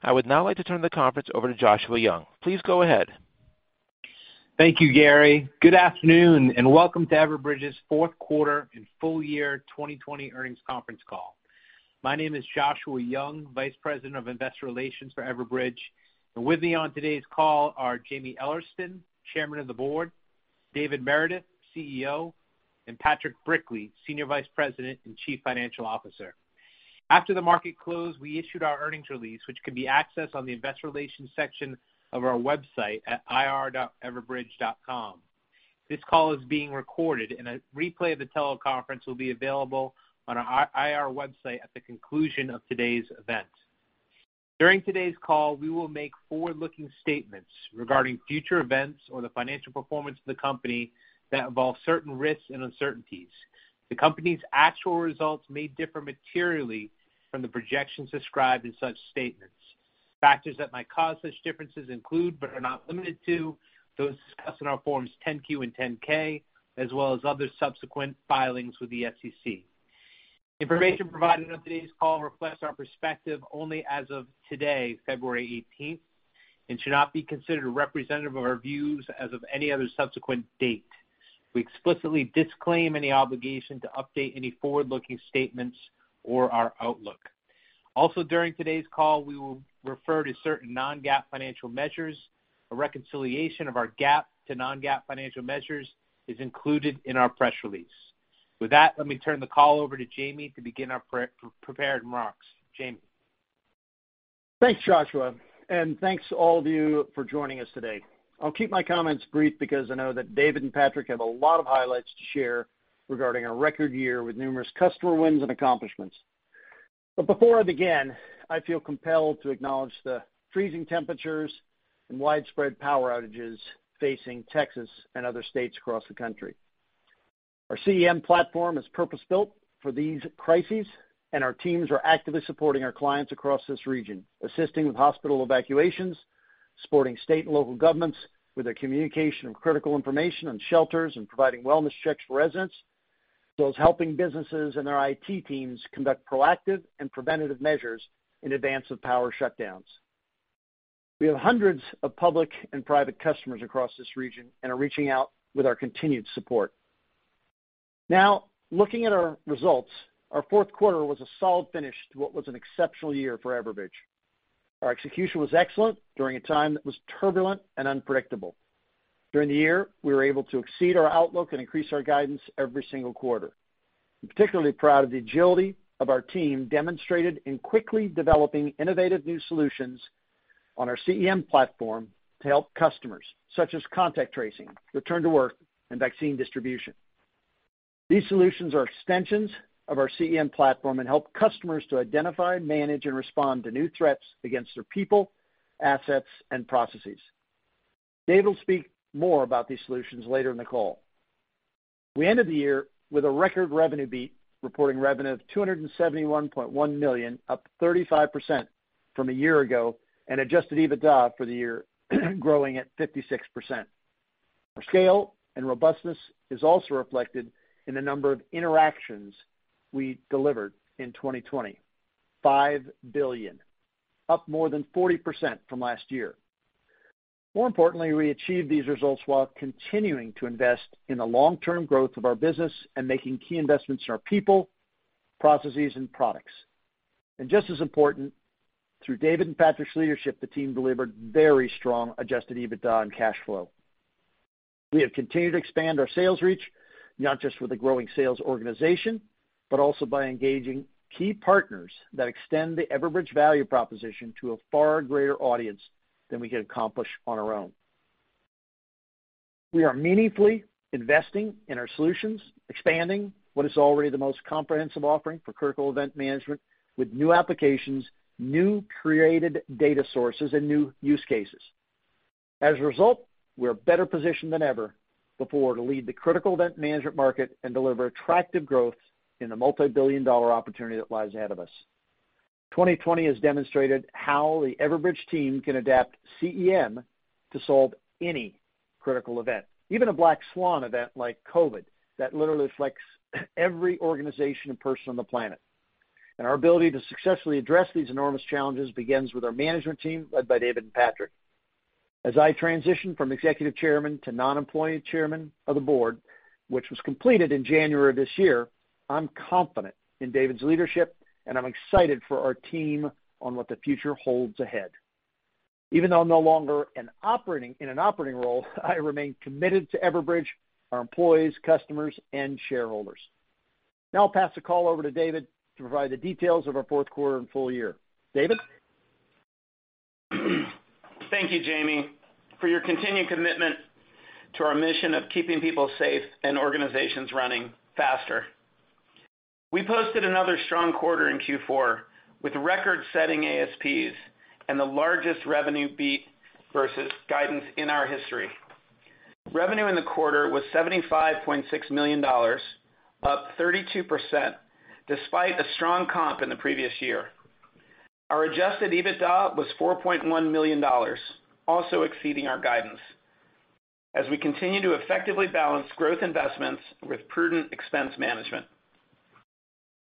I would now like to turn the conference over to Joshua Young. Please go ahead. Thank you, Gary. Good afternoon, and welcome to Everbridge's Fourth Quarter and Full Year 2020 Earnings Conference Call. My name is Joshua Young, Vice President of Investor Relations for Everbridge. With me on today's call are Jaime Ellertson, Chairman of the Board, David Meredith, Chief Executive Officer, and Patrick Brickley, Senior Vice President and Chief Financial Officer. After the market closed, we issued our earnings release, which can be accessed on the Investor Relations section of our website at ir.everbridge.com. This call is being recorded, and a replay of the teleconference will be available on our IR website at the conclusion of today's event. During today's call, we will make forward-looking statements regarding future events or the financial performance of the company that involve certain risks and uncertainties. The company's actual results may differ materially from the projections described in such statements. Factors that might cause such differences include, but are not limited to, those discussed in our Forms 10-Q and 10-K, as well as other subsequent filings with the SEC. Information provided on today's call reflects our perspective only as of today, February 18th, and should not be considered representative of our views as of any other subsequent date. We explicitly disclaim any obligation to update any forward-looking statements or our outlook. Also, during today's call, we will refer to certain non-GAAP financial measures. A reconciliation of our GAAP to non-GAAP financial measures is included in our press release. With that, let me turn the call over to Jaime to begin our prepared remarks. Jaime? Thanks, Joshua. Thanks to all of you for joining us today. I'll keep my comments brief because I know that David and Patrick have a lot of highlights to share regarding our record year with numerous customer wins and accomplishments. Before I begin, I feel compelled to acknowledge the freezing temperatures and widespread power outages facing Texas and other states across the country. Our CEM platform is purpose-built for these crises, and our teams are actively supporting our clients across this region, assisting with hospital evacuations, supporting state and local governments with their communication of critical information on shelters and providing wellness checks for residents, as well as helping businesses and their IT teams conduct proactive and preventative measures in advance of power shutdowns. We have hundreds of public and private customers across this region and are reaching out with our continued support. Looking at our results, our fourth quarter was a solid finish to what was an exceptional year for Everbridge. Our execution was excellent during a time that was turbulent and unpredictable. During the year, we were able to exceed our outlook and increase our guidance every single quarter. I'm particularly proud of the agility of our team demonstrated in quickly developing innovative new solutions on our CEM platform to help customers, such as Contact Tracing, Return to Work, and Vaccine Distribution. These solutions are extensions of our CEM platform and help customers to identify, manage, and respond to new threats against their people, assets, and processes. David will speak more about these solutions later in the call. We ended the year with a record revenue beat, reporting revenue of $271.1 million, up 35% from a year ago, and adjusted EBITDA for the year growing at 56%. Our scale and robustness is also reflected in the number of interactions we delivered in 2020. Five billion, up more than 40% from last year. More importantly, we achieved these results while continuing to invest in the long-term growth of our business and making key investments in our people, processes, and products. Just as important, through David and Patrick's leadership, the team delivered very strong adjusted EBITDA and cash flow. We have continued to expand our sales reach, not just with a growing sales organization, but also by engaging key partners that extend the Everbridge value proposition to a far greater audience than we could accomplish on our own. We are meaningfully investing in our solutions, expanding what is already the most comprehensive offering for Critical Event Management with new applications, new created data sources, and new use cases. As a result, we're better positioned than ever before to lead the Critical Event Management market and deliver attractive growth in the multi-billion-dollar opportunity that lies ahead of us. 2020 has demonstrated how the Everbridge team can adapt CEM to solve any critical event, even a black swan event like COVID, that literally affects every organization and one person on the planet. Our ability to successfully address these enormous challenges begins with our management team, led by David and Patrick. As I transition from Executive Chairman to Non-Employee Chairman of the Board, which was completed in January of this year, I'm confident in David's leadership, and I'm excited for our team on what the future holds ahead. Even though I'm no longer in an operating role, I remain committed to Everbridge, our employees, customers, and shareholders. Now I'll pass the call over to David to provide the details of our fourth quarter and full year. David? Thank you, Jaime, for your continued commitment to our mission of keeping people safe and organizations running faster. We posted another strong quarter in Q4 with record-setting ASPs and the largest revenue beat versus guidance in our history. Revenue in the quarter was $75.6 million, up 32%, despite a strong comp in the previous year. Our adjusted EBITDA was $4.1 million, also exceeding our guidance as we continue to effectively balance growth investments with prudent expense management.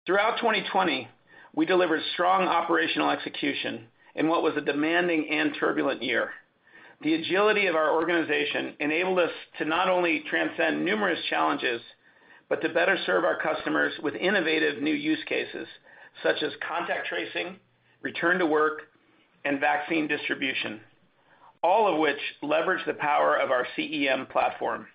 Throughout 2020, we delivered strong operational execution in what was a demanding and turbulent year. The agility of our organization enabled us to not only transcend numerous challenges, but to better serve our customers with innovative new use cases such as Contact Tracing, Return to Work, and Vaccine Distribution, all of which leverage the power of our CEM platform.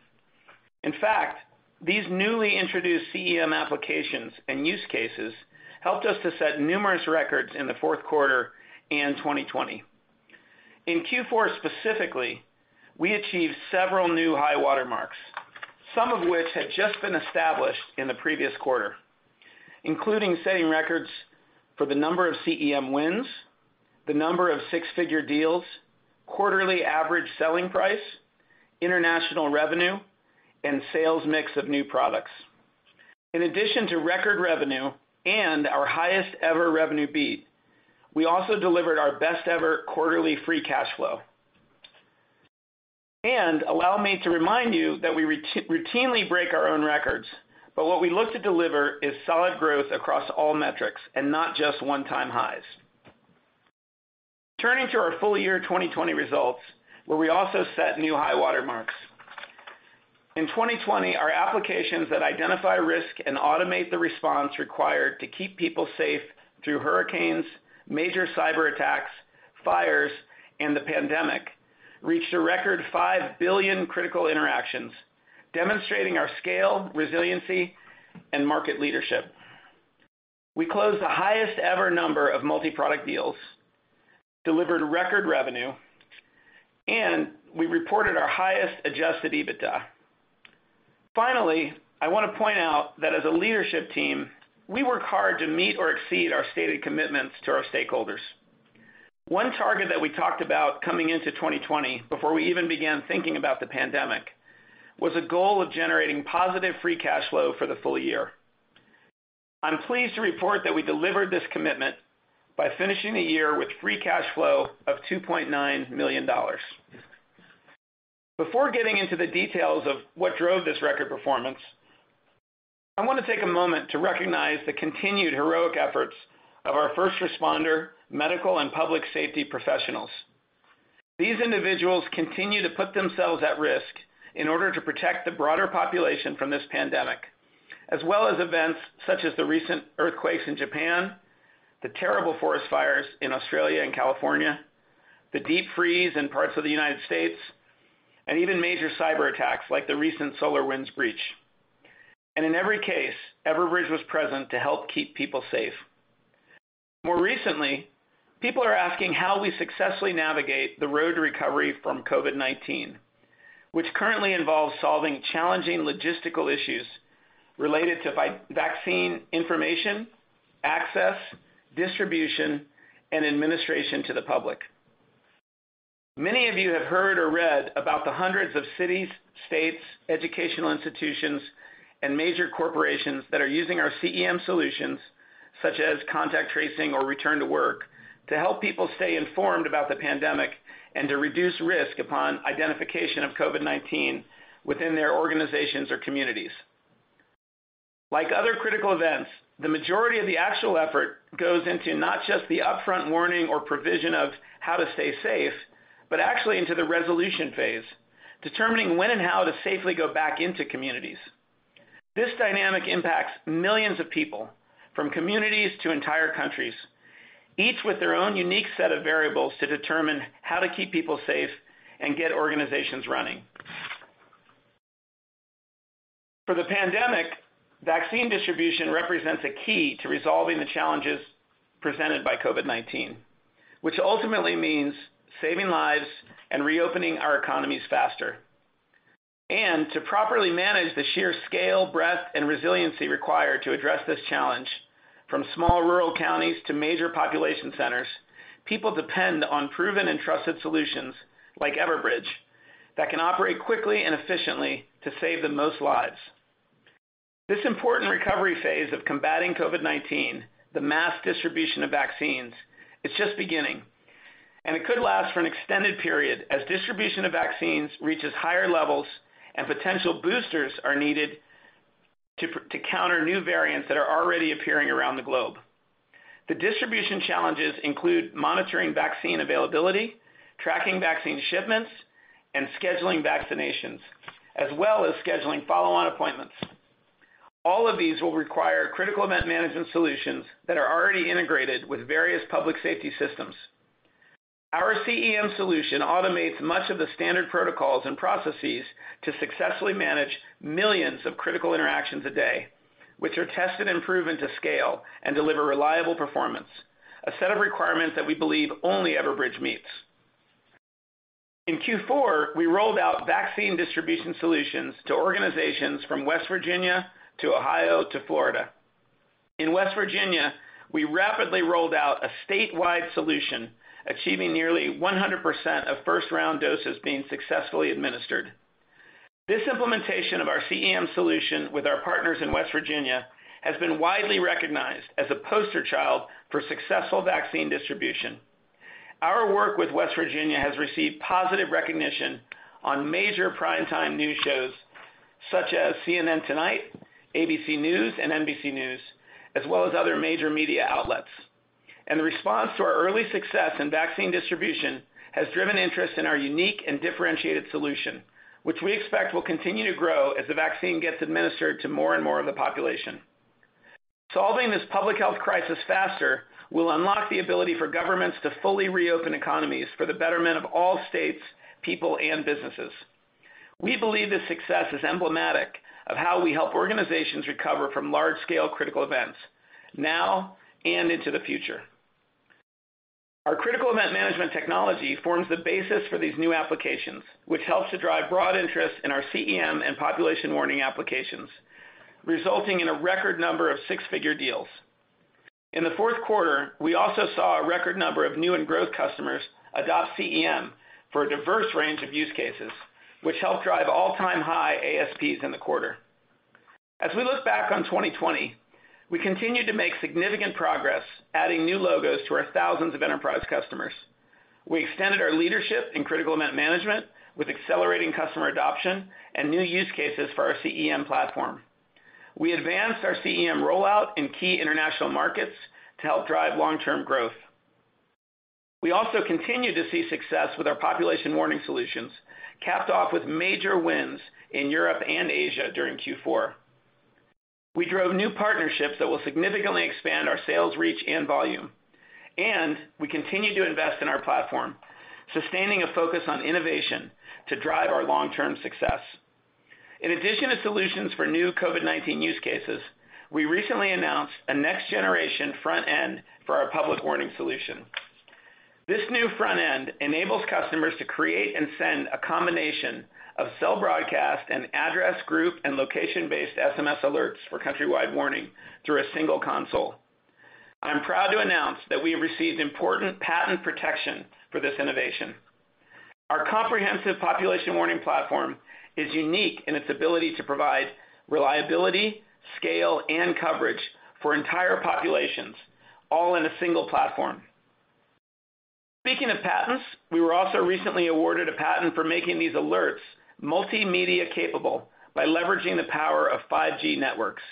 In fact, these newly introduced CEM applications and use cases helped us to set numerous records in the fourth quarter and 2020. In Q4 specifically, we achieved several new high water marks, some of which had just been established in the previous quarter, including setting records for the number of CEM wins, the number of six-figure deals, quarterly average selling price, international revenue, and sales mix of new products. In addition to record revenue and our highest-ever revenue beat, we also delivered our best-ever quarterly free cash flow. Allow me to remind you that we routinely break our own records, but what we look to deliver is solid growth across all metrics, and not just one-time highs. Turning to our full year 2020 results, where we also set new high water marks. In 2020, our applications that identify risk and automate the response required to keep people safe through hurricanes, major cyber attacks, fires, and the pandemic, reached a record five billion critical interactions, demonstrating our scale, resiliency, and market leadership. We closed the highest ever number of multi-product deals, delivered record revenue, and we reported our highest adjusted EBITDA. Finally, I want to point out that as a leadership team, we work hard to meet or exceed our stated commitments to our stakeholders. One target that we talked about coming into 2020, before we even began thinking about the pandemic, was a goal of generating positive free cash flow for the full year. I'm pleased to report that we delivered this commitment by finishing the year with free cash flow of $2.9 million. Before getting into the details of what drove this record performance, I want to take a moment to recognize the continued heroic efforts of our first responder, medical, and public safety professionals. These individuals continue to put themselves at risk in order to protect the broader population from this pandemic, as well as events such as the recent earthquakes in Japan, the terrible forest fires in Australia and California, the deep freeze in parts of the U.S., and even major cyber attacks, like the recent SolarWinds breach. In every case, Everbridge was present to help keep people safe. More recently, people are asking how we successfully navigate the road to recovery from COVID-19, which currently involves solving challenging logistical issues related to vaccine information, access, distribution, and administration to the public. Many of you have heard or read about the hundreds of cities, states, educational institutions, and major corporations that are using our CEM solutions, such as Contact Tracing or Return to Work, to help people stay informed about the pandemic and to reduce risk upon identification of COVID-19 within their organizations or communities. Like other critical events, the majority of the actual effort goes into not just the upfront warning or provision of how to stay safe, but actually into the resolution phase, determining when and how to safely go back into communities. This dynamic impacts millions of people from communities to entire countries, each with their own unique set of variables to determine how to keep people safe and get organizations running. For the pandemic, Vaccine Distribution represents a key to resolving the challenges presented by COVID-19, which ultimately means saving lives and reopening our economies faster. To properly manage the sheer scale, breadth, and resiliency required to address this challenge from small rural counties to major population centers, people depend on proven and trusted solutions like Everbridge that can operate quickly and efficiently to save the most lives. This important recovery phase of combating COVID-19, the mass distribution of vaccines, is just beginning, and it could last for an extended period as distribution of vaccines reaches higher levels and potential boosters are needed to counter new variants that are already appearing around the globe. The distribution challenges include monitoring vaccine availability, tracking vaccine shipments, and scheduling vaccinations, as well as scheduling follow-on appointments. All of these will require critical event management solutions that are already integrated with various public safety systems. Our CEM solution automates much of the standard protocols and processes to successfully manage millions of critical interactions a day, which are tested and proven to scale and deliver reliable performance, a set of requirements that we believe only Everbridge meets. In Q4, we rolled out Vaccine Distribution solutions to organizations from West Virginia to Ohio to Florida. In West Virginia, we rapidly rolled out a statewide solution, achieving nearly 100% of first-round doses being successfully administered. This implementation of our CEM solution with our partners in West Virginia has been widely recognized as a poster child for successful Vaccine Distribution. Our work with West Virginia has received positive recognition on major primetime news shows such as CNN Tonight, ABC News, and NBC News, as well as other major media outlets. The response to our early success in Vaccine Distribution has driven interest in our unique and differentiated solution, which we expect will continue to grow as the vaccine gets administered to more and more of the population. Solving this public health crisis faster will unlock the ability for governments to fully reopen economies for the betterment of all states, people, and businesses. We believe this success is emblematic of how we help organizations recover from large-scale critical events now and into the future. Our Critical Event Management technology forms the basis for these new applications, which helps to drive broad interest in our CEM and Public Warning applications, resulting in a record number of six-figure deals. In the fourth quarter, we also saw a record number of new and growth customers adopt CEM for a diverse range of use cases, which helped drive all-time high ASPs in the quarter. As we look back on 2020, we continued to make significant progress, adding new logos to our thousands of enterprise customers. We extended our leadership in Critical Event Management with accelerating customer adoption and new use cases for our CEM platform. We advanced our CEM rollout in key international markets to help drive long-term growth. We also continued to see success with our Public Warning, capped off with major wins in Europe and Asia during Q4. We drove new partnerships that will significantly expand our sales reach and volume. We continued to invest in our platform, sustaining a focus on innovation to drive our long-term success. In addition to solutions for new COVID-19 use cases, we recently announced a next-generation front end for our Public Warning Solution. This new front end enables customers to create and send a combination of Cell Broadcast and address, group, and location-based SMS alerts for countrywide warning through a single console. I'm proud to announce that we have received important patent protection for this innovation. Our comprehensive population warning platform is unique in its ability to provide reliability, scale, and coverage for entire populations, all in a single platform. Speaking of patents, we were also recently awarded a patent for making these alerts multimedia-capable by leveraging the power of 5G networks.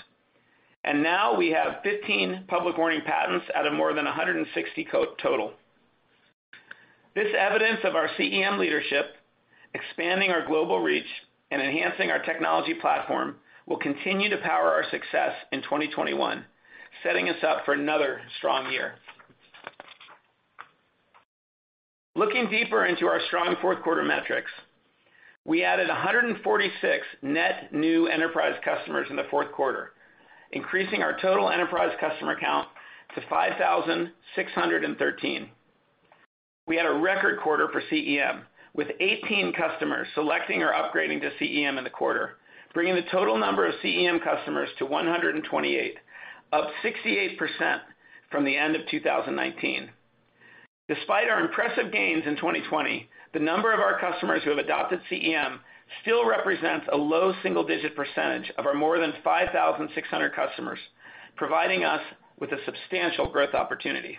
Now we have 15 Public Warning patents out of more than 160 total. This evidence of our CEM leadership, expanding our global reach, and enhancing our technology platform will continue to power our success in 2021, setting us up for another strong year. Looking deeper into our strong fourth quarter metrics, we added 146 net new enterprise customers in the fourth quarter, increasing our total enterprise customer count to 5,613. We had a record quarter for CEM, with 18 customers selecting or upgrading to CEM in the quarter, bringing the total number of CEM customers to 128, up 68% from the end of 2019. Despite our impressive gains in 2020, the number of our customers who have adopted CEM still represents a low single-digit percentage of our more than 5,600 customers, providing us with a substantial growth opportunity.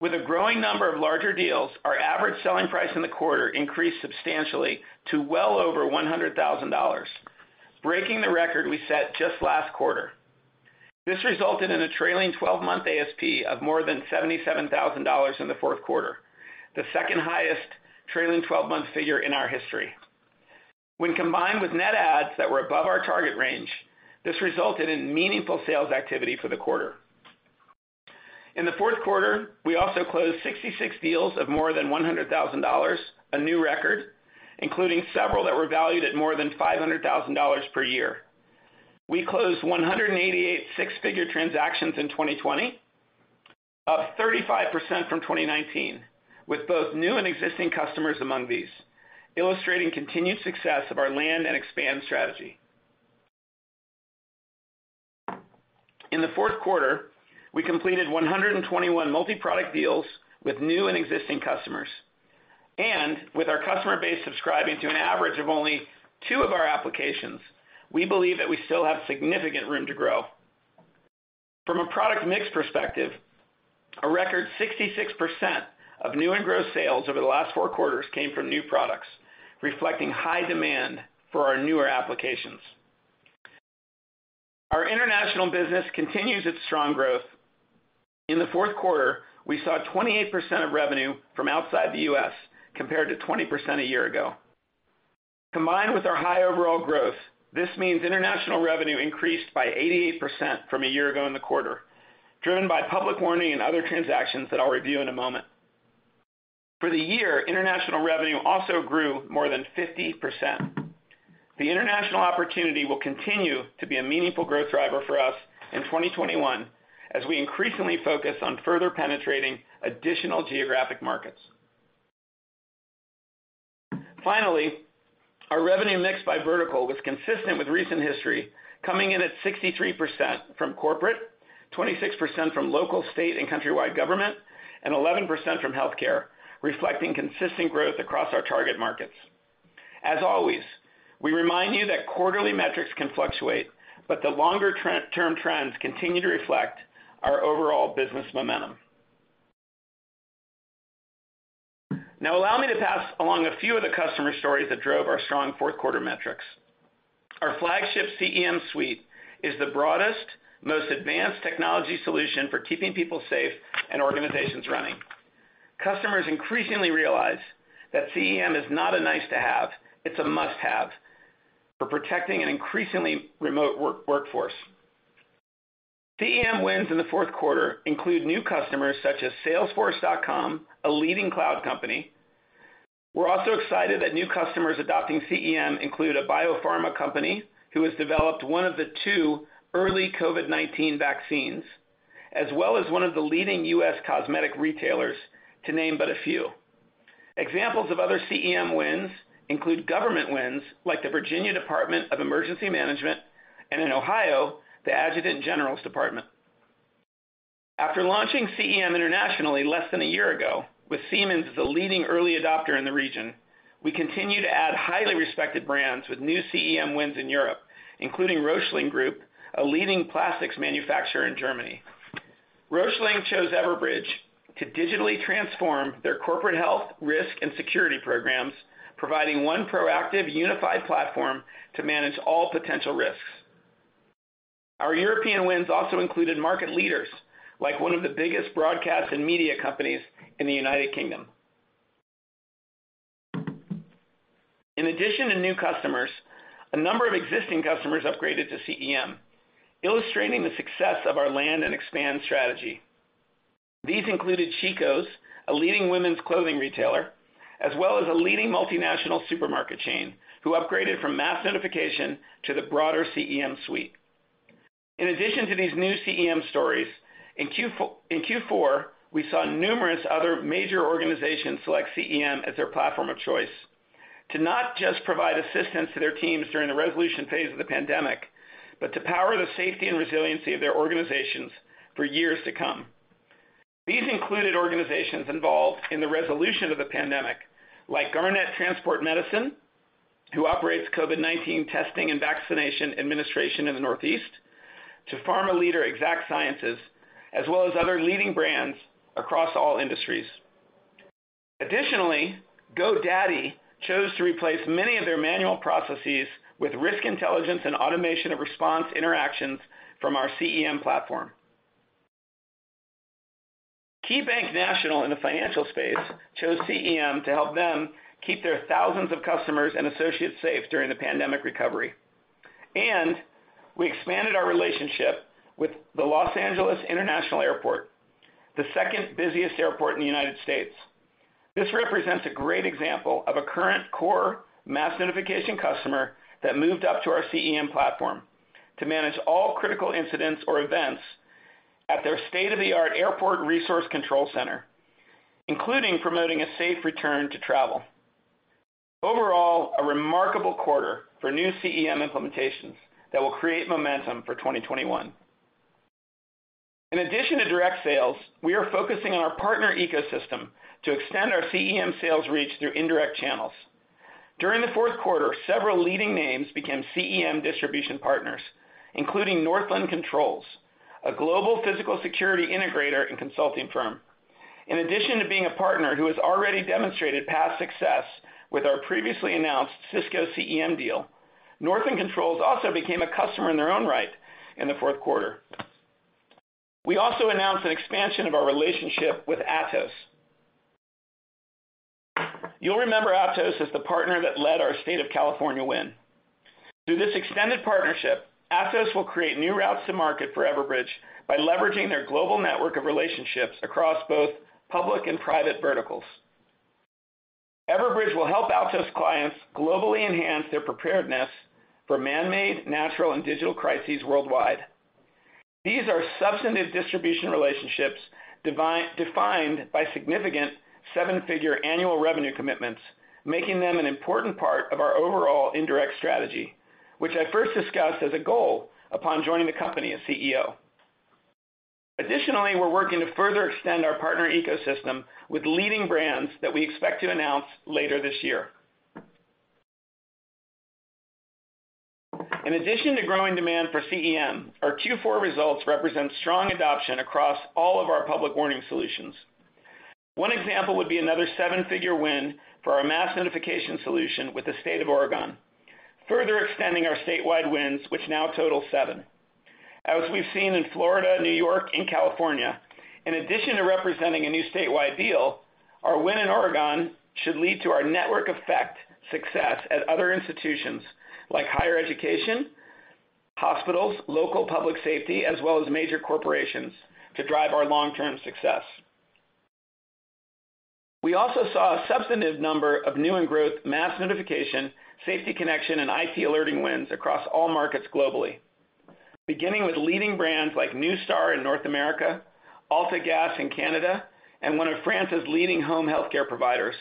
With a growing number of larger deals, our average selling price in the quarter increased substantially to well over $100,000, breaking the record we set just last quarter. This resulted in a trailing 12-month ASP of more than $77,000 in the fourth quarter, the second highest trailing 12-month figure in our history. When combined with net adds that were above our target range, this resulted in meaningful sales activity for the quarter. In the fourth quarter, we also closed 66 deals of more than $100,000, a new record, including several that were valued at more than $500,000 per year. We closed 188 six-figure transactions in 2020, up 35% from 2019, with both new and existing customers among these, illustrating continued success of our land and expand strategy. In the fourth quarter, we completed 121 multi-product deals with new and existing customers. With our customer base subscribing to an average of only two of our applications, we believe that we still have significant room to grow. From a product mix perspective, a record 66% of new and growth sales over the last four quarters came from new products, reflecting high demand for our newer applications. Our international business continues its strong growth. In the fourth quarter, we saw 28% of revenue from outside the U.S. compared to 20% a year ago. Combined with our high overall growth, this means international revenue increased by 88% from a year ago in the quarter, driven by Public Warning and other transactions that I'll review in a moment. For the year, international revenue also grew more than 50%. The international opportunity will continue to be a meaningful growth driver for us in 2021, as we increasingly focus on further penetrating additional geographic markets. Finally, our revenue mix by vertical was consistent with recent history, coming in at 63% from corporate, 26% from local state and countrywide government, and 11% from healthcare, reflecting consistent growth across our target markets. As always, we remind you that quarterly metrics can fluctuate, but the longer term trends continue to reflect our overall business momentum. Now allow me to pass along a few of the customer stories that drove our strong fourth quarter metrics. Our flagship CEM suite is the broadest, most advanced technology solution for keeping people safe and organizations running. Customers increasingly realize that CEM is not a nice to have, it's a must-have for protecting an increasingly remote work workforce. CEM wins in the fourth quarter include new customers such as salesforce.com, a leading cloud company. We're also excited that new customers adopting CEM include a biopharma company who has developed one of the two early COVID-19 vaccines, as well as one of the leading U.S. cosmetic retailers to name but a few. Examples of other CEM wins include government wins like the Virginia Department of Emergency Management, and in Ohio, the Adjutant General's Department. After launching CEM internationally less than a year ago with Siemens as a leading early adopter in the region, we continue to add highly respected brands with new CEM wins in Europe, including Röchling Group, a leading plastics manufacturer in Germany. Röchling chose Everbridge to digitally transform their corporate health, risk, and security programs, providing one proactive, unified platform to manage all potential risks. Our European wins also included market leaders like one of the biggest broadcast and media companies in the U.K. In addition to new customers, a number of existing customers upgraded to CEM, illustrating the success of our land and expand strategy. These included Chico's, a leading women's clothing retailer, as well as a leading multinational supermarket chain who upgraded from Mass Notification to the broader CEM suite. In addition to these new CEM stories, in Q4, we saw numerous other major organizations select CEM as their platform of choice to not just provide assistance to their teams during the resolution phase of the pandemic, but to power the safety and resiliency of their organizations for years to come. These included organizations involved in the resolution of the pandemic, like Garnet Transport Medicine, who operates COVID-19 testing and vaccination administration in the Northeast, to pharma leader Exact Sciences, as well as other leading brands across all industries. Additionally, GoDaddy chose to replace many of their manual processes with Risk Intelligence and automation of response interactions from our CEM platform. KeyBanc National in the financial space chose CEM to help them keep their thousands of customers and associates safe during the pandemic recovery. We expanded our relationship with the Los Angeles International Airport, the second busiest airport in the U.S. This represents a great example of a current core Mass Notification customer that moved up to our CEM platform to manage all critical incidents or events at their state-of-the-art airport resource control center, including promoting a safe return to travel. Overall, a remarkable quarter for new CEM implementations that will create momentum for 2021. In addition to direct sales, we are focusing on our partner ecosystem to extend our CEM sales reach through indirect channels. During the fourth quarter, several leading names became CEM distribution partners, including Northland Controls, a global physical security integrator and consulting firm. In addition to being a partner who has already demonstrated past success with our previously announced Cisco CEM deal, Northland Controls also became a customer in their own right in the fourth quarter. We also announced an expansion of our relationship with Atos. You'll remember Atos as the partner that led our state of California win. Through this extended partnership, Atos will create new routes to market for Everbridge by leveraging their global network of relationships across both public and private verticals. Everbridge will help Atos clients globally enhance their preparedness for manmade, natural, and digital crises worldwide. These are substantive distribution relationships defined by significant seven-figure annual revenue commitments, making them an important part of our overall indirect strategy, which I first discussed as a goal upon joining the company as CEO. Additionally, we're working to further extend our partner ecosystem with leading brands that we expect to announce later this year. In addition to growing demand for CEM, our Q4 results represent strong adoption across all of our Public Warning Solutions. One example would be another seven-figure win for our Mass Notification solution with the state of Oregon, further extending our statewide wins, which now total seven. As we've seen in Florida, New York, and California, in addition to representing a new statewide deal, our win in Oregon should lead to our network effect success at other institutions like higher education, Hospitals, local public safety, as well as major corporations to drive our long-term success. We also saw a substantive number of new and growth Mass Notification, Safety Connection, and IT Alerting wins across all markets globally. Beginning with leading brands like Neustar in North America, AltaGas in Canada, and one of France's leading home healthcare providers,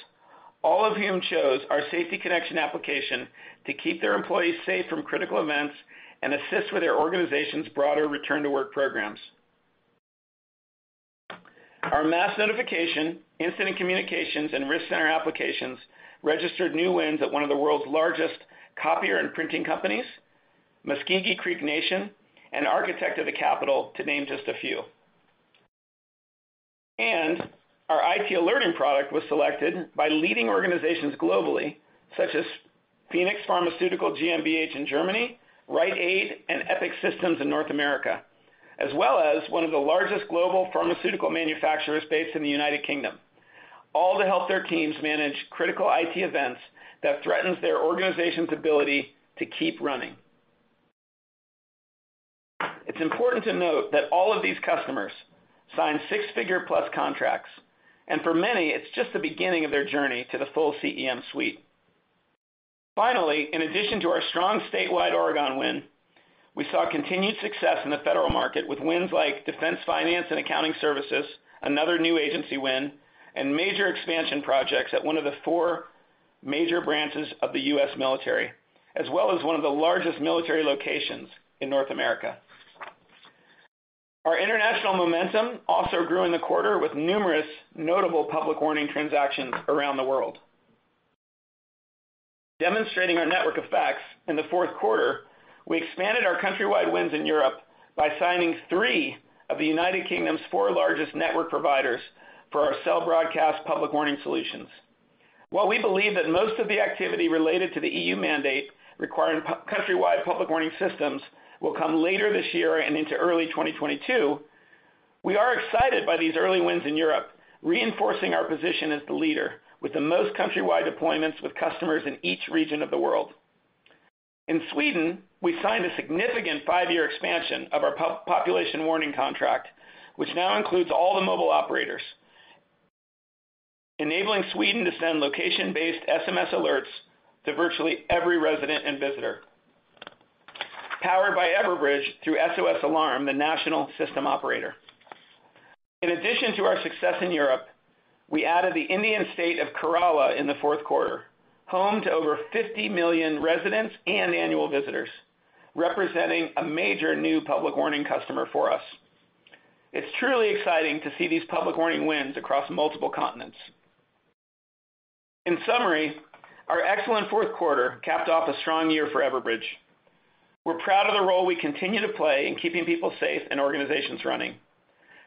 all of whom chose our Safety Connection application to keep their employees safe from critical events and assist with their organization's broader return to work programs. Our Mass Notification, Incident Communications, and Risk Center applications registered new wins at one of the world's largest copier and printing companies, Muscogee (Creek) Nation, and Architect of the Capitol, to name just a few. Our IT Alerting product was selected by leading organizations globally, such as PHOENIX Pharma GmbH in Germany, Rite Aid, and Epic Systems in North America, as well as one of the largest global pharmaceutical manufacturers based in the U.K., all to help their teams manage critical IT events that threatens their organization's ability to keep running. It's important to note that all of these customers signed six-figure plus contracts, and for many, it's just the beginning of their journey to the full CEM suite. In addition to our strong statewide Oregon win, we saw continued success in the federal market with wins like Defense Finance and Accounting Service, another new agency win, and major expansion projects at one of the four major branches of the U.S. military, as well as one of the largest military locations in North America. Our international momentum also grew in the quarter with numerous notable Public Warning transactions around the world. Demonstrating our network effects in the fourth quarter, we expanded our countrywide wins in Europe by signing three of the United Kingdom's four largest network providers for our Cell Broadcast Public Warning Solutions. While we believe that most of the activity related to the EU mandate requiring countrywide Public Warning systems will come later this year and into early 2022, we are excited by these early wins in Europe, reinforcing our position as the leader with the most countrywide deployments with customers in each region of the world. In Sweden, we signed a significant five-year expansion of our population warning contract, which now includes all the mobile operators, enabling Sweden to send location-based SMS alerts to virtually every resident and visitor, powered by Everbridge through SOS Alarm, the national system operator. In addition to our success in Europe, we added the Indian state of Kerala in the fourth quarter, home to over 50 million residents and annual visitors, representing a major new Public Warning customer for us. It's truly exciting to see these Public Warning wins across multiple continents. In summary, our excellent fourth quarter capped off a strong year for Everbridge. We're proud of the role we continue to play in keeping people safe and organizations running.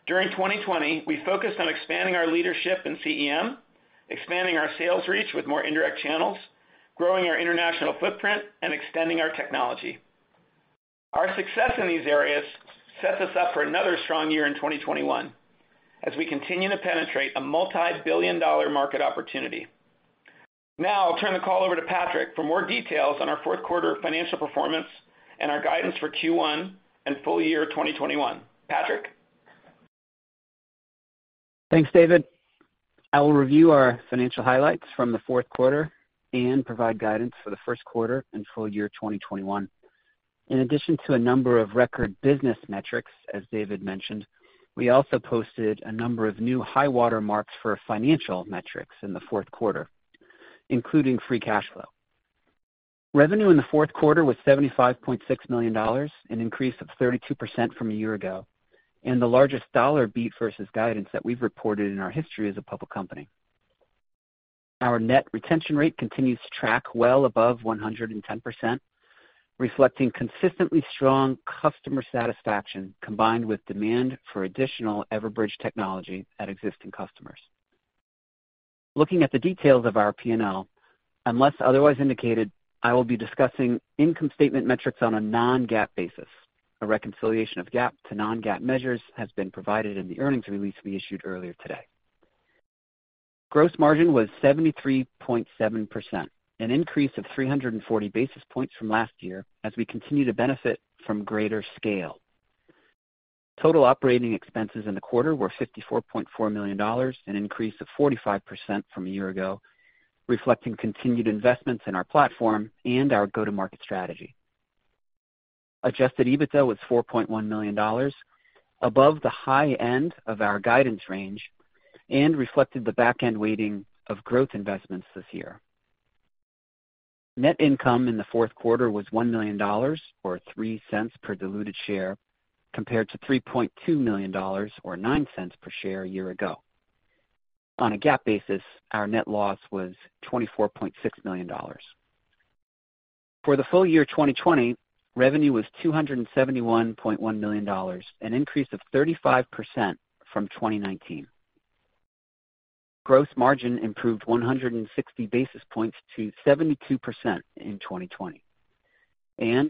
During 2020, we focused on expanding our leadership in CEM, expanding our sales reach with more indirect channels, growing our international footprint, and extending our technology. Our success in these areas sets us up for another strong year in 2021 as we continue to penetrate a multi-billion-dollar market opportunity. Now I'll turn the call over to Patrick for more details on our fourth quarter financial performance and our guidance for Q1 and full year 2021. Patrick? Thanks, David. I will review our financial highlights from the fourth quarter and provide guidance for the first quarter and full year 2021. In addition to a number of record business metrics, as David mentioned, we also posted a number of new high water marks for financial metrics in the fourth quarter, including free cash flow. Revenue in the fourth quarter was $75.6 million, an increase of 32% from a year ago, and the largest dollar beat versus guidance that we've reported in our history as a public company. Our net retention rate continues to track well above 110%, reflecting consistently strong customer satisfaction combined with demand for additional Everbridge technology at existing customers. Looking at the details of our P&L, unless otherwise indicated, I will be discussing income statement metrics on a non-GAAP basis. A reconciliation of GAAP to non-GAAP measures has been provided in the earnings release we issued earlier today. Gross margin was 73.7%, an increase of 340 basis points from last year, as we continue to benefit from greater scale. Total operating expenses in the quarter were $54.4 million, an increase of 45% from a year ago, reflecting continued investments in our platform and our go-to-market strategy. Adjusted EBITDA was $4.1 million, above the high end of our guidance range and reflected the back end weighting of growth investments this year. Net income in the fourth quarter was $1 million, or $0.03 per diluted share, compared to $3.2 million or $0.09 per share a year ago. On a GAAP basis, our net loss was $24.6 million. For the full year 2020, revenue was $271.1 million, an increase of 35% from 2019. Gross margin improved 160 basis points to 72% in 2020.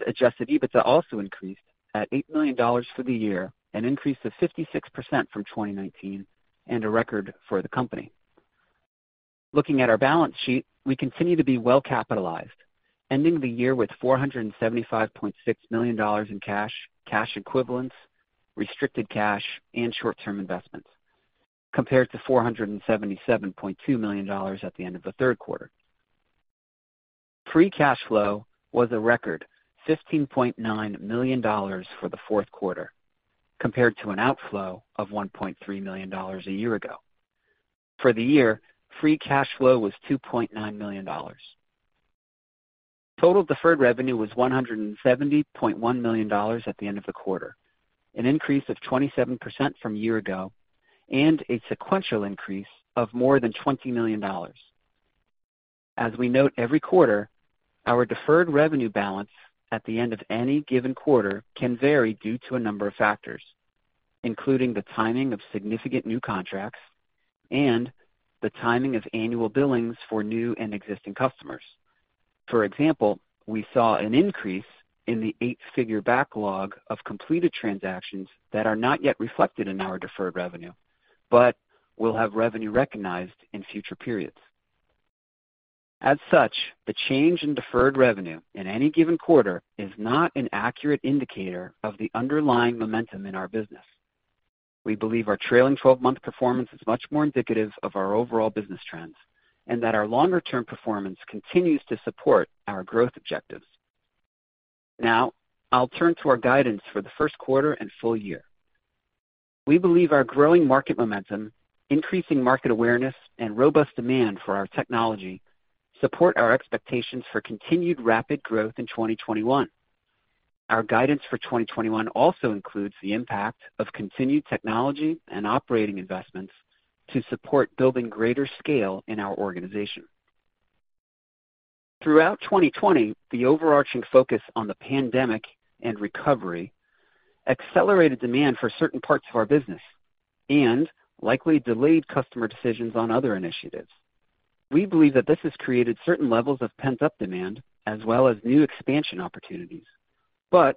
Adjusted EBITDA also increased at $8 million for the year, an increase of 56% from 2019, and a record for the company. Looking at our balance sheet, we continue to be well-capitalized, ending the year with $475.6 million in cash equivalents, restricted cash, and short-term investments, compared to $477.2 million at the end of the third quarter. Free cash flow was a record $15.9 million for the fourth quarter, compared to an outflow of $1.3 million a year ago. For the year, free cash flow was $2.9 million. Total deferred revenue was $170.1 million at the end of the quarter, an increase of 27% from a year ago, and a sequential increase of more than $20 million. As we note every quarter, our deferred revenue balance at the end of any given quarter can vary due to a number of factors, including the timing of significant new contracts and the timing of annual billings for new and existing customers. For example, we saw an increase in the eight-figure backlog of completed transactions that are not yet reflected in our deferred revenue, but will have revenue recognized in future periods. As such, the change in deferred revenue in any given quarter is not an accurate indicator of the underlying momentum in our business. We believe our trailing 12-month performance is much more indicative of our overall business trends, and that our longer-term performance continues to support our growth objectives. Now, I'll turn to our guidance for the first quarter and full year. We believe our growing market momentum, increasing market awareness, and robust demand for our technology support our expectations for continued rapid growth in 2021. Our guidance for 2021 also includes the impact of continued technology and operating investments to support building greater scale in our organization. Throughout 2020, the overarching focus on the pandemic and recovery accelerated demand for certain parts of our business and likely delayed customer decisions on other initiatives. We believe that this has created certain levels of pent-up demand as well as new expansion opportunities, but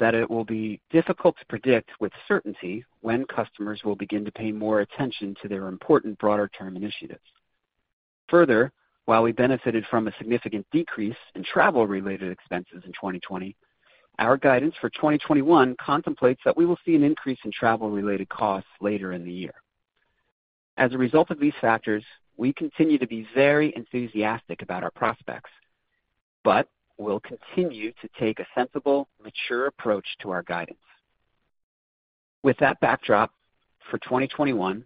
that it will be difficult to predict with certainty when customers will begin to pay more attention to their important broader term initiatives. Further, while we benefited from a significant decrease in travel-related expenses in 2020, our guidance for 2021 contemplates that we will see an increase in travel-related costs later in the year. As a result of these factors, we continue to be very enthusiastic about our prospects, but we'll continue to take a sensible, mature approach to our guidance. With that backdrop, for 2021,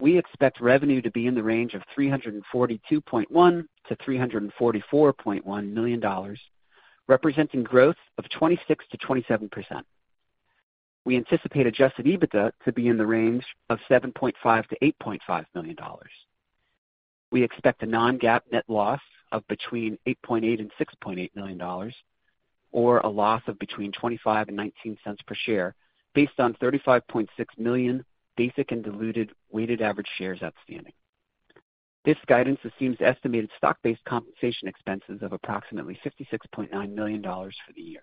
we expect revenue to be in the range of $342.1 million-$344.1 million, representing growth of 26%-27%. We anticipate adjusted EBITDA to be in the range of $7.5 million-$8.5 million. We expect a non-GAAP net loss of between $8.8 million and $6.8 million, or a loss of between $0.25 and $0.19 per share based on 35.6 million basic and diluted weighted average shares outstanding. This guidance assumes estimated stock-based compensation expenses of approximately $56.9 million for the year.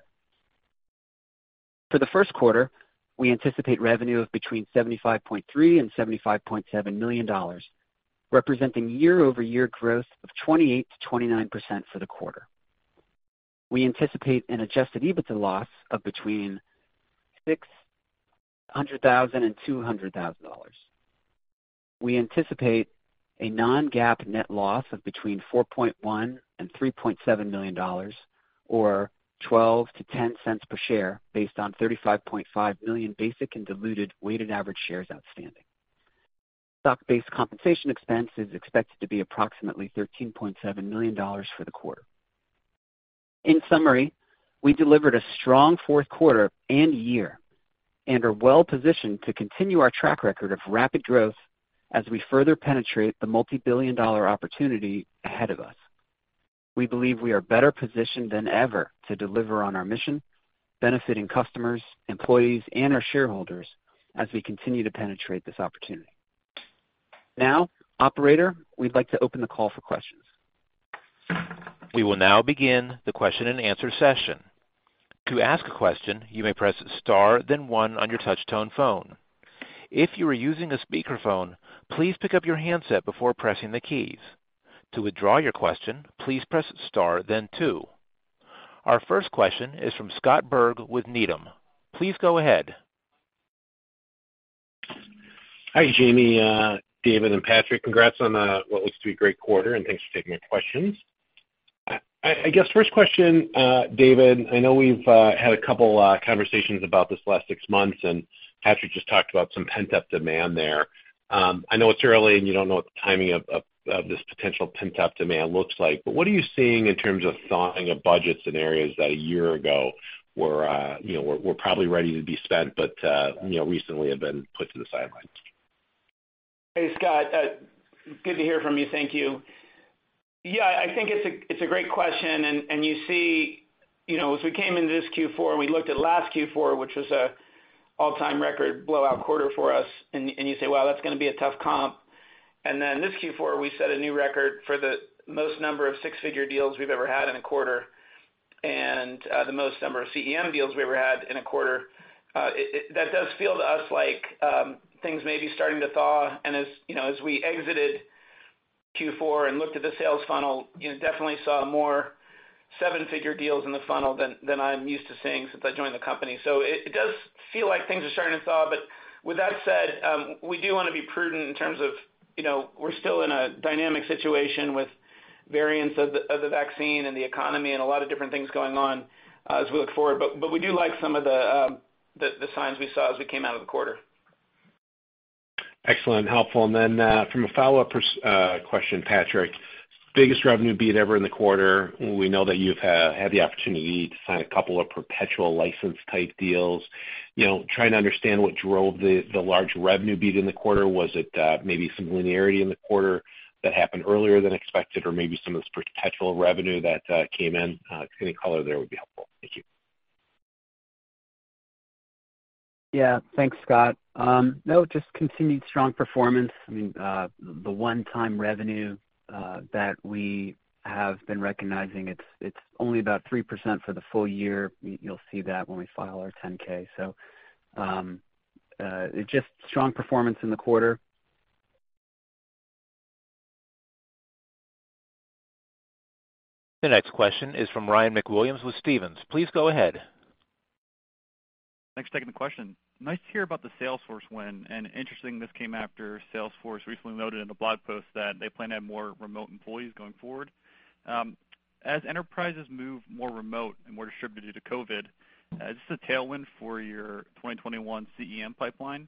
For the first quarter, we anticipate revenue of between $75.3 million and $75.7 million, representing year-over-year growth of 28%-29% for the quarter. We anticipate an adjusted EBITDA loss of between $600,000 and $200,000. We anticipate a non-GAAP net loss of between $4.1 million and $3.7 million, or $0.12-$0.10 per share based on 35.5 million basic and diluted weighted average shares outstanding. Stock-based compensation expense is expected to be approximately $13.7 million for the quarter. In summary, we delivered a strong fourth quarter and year, and are well-positioned to continue our track record of rapid growth as we further penetrate the multibillion-dollar opportunity ahead of us. We believe we are better positioned than ever to deliver on our mission, benefiting customers, employees, and our shareholders as we continue to penetrate this opportunity. Now, Operator, we'd like to open the call for questions. We will now begin the question and answer session. To ask a question, you may press star then one on your touch-tone phone. If you are using a speakerphone, please pick up your handset before pressing the keys. To withdraw your question, please press star then two. Our first question is from Scott Berg with Needham. Please go ahead. Hi, Jaime, David, and Patrick. Congrats on what looks to be a great quarter, and thanks for taking the questions. I guess first question, David, I know we've had a couple conversations about this the last six months. Patrick just talked about some pent-up demand there. I know it's early, and you don't know what the timing of this potential pent-up demand looks like, but what are you seeing in terms of thawing of budgets in areas that a year ago were probably ready to be spent but recently have been put to the sidelines? Hey, Scott. Good to hear from you. Thank you. Yeah, I think it's a great question. You see as we came into this Q4, we looked at last Q4, which was an all-time record blowout quarter for us. You say, "Wow, that's going to be a tough comp." This Q4, we set a new record for the most number of six-figure deals we've ever had in a quarter. The most number of CEM deals we ever had in a quarter. That does feel to us like things may be starting to thaw and as we exited Q4 and looked at the sales funnel, definitely saw more seven-figure deals in the funnel than I'm used to seeing since I joined the company. It does feel like things are starting to thaw. With that said, we do want to be prudent in terms of, we're still in a dynamic situation with variants of the vaccine, and the economy, and a lot of different things going on as we look forward. We do like some of the signs we saw as we came out of the quarter. Excellent. Helpful. Then from a follow-up question, Patrick, biggest revenue beat ever in the quarter. We know that you've had the opportunity to sign a couple of perpetual license type deals. Trying to understand what drove the large revenue beat in the quarter. Was it maybe some linearity in the quarter that happened earlier than expected, or maybe some of this perpetual revenue that came in? Any color there would be helpful. Thank you. Yeah. Thanks, Scott. Just continued strong performance. The one-time revenue that we have been recognizing, it's only about 3% for the full year. You'll see that when we file our 10-K. Just strong performance in the quarter. The next question is from Ryan MacWilliams with Stephens. Please go ahead. Thanks for taking the question. Interesting this came after Salesforce recently noted in a blog post that they plan to have more remote employees going forward. As enterprises move more remote and more distributed due to COVID, is this a tailwind for your 2021 CEM pipeline?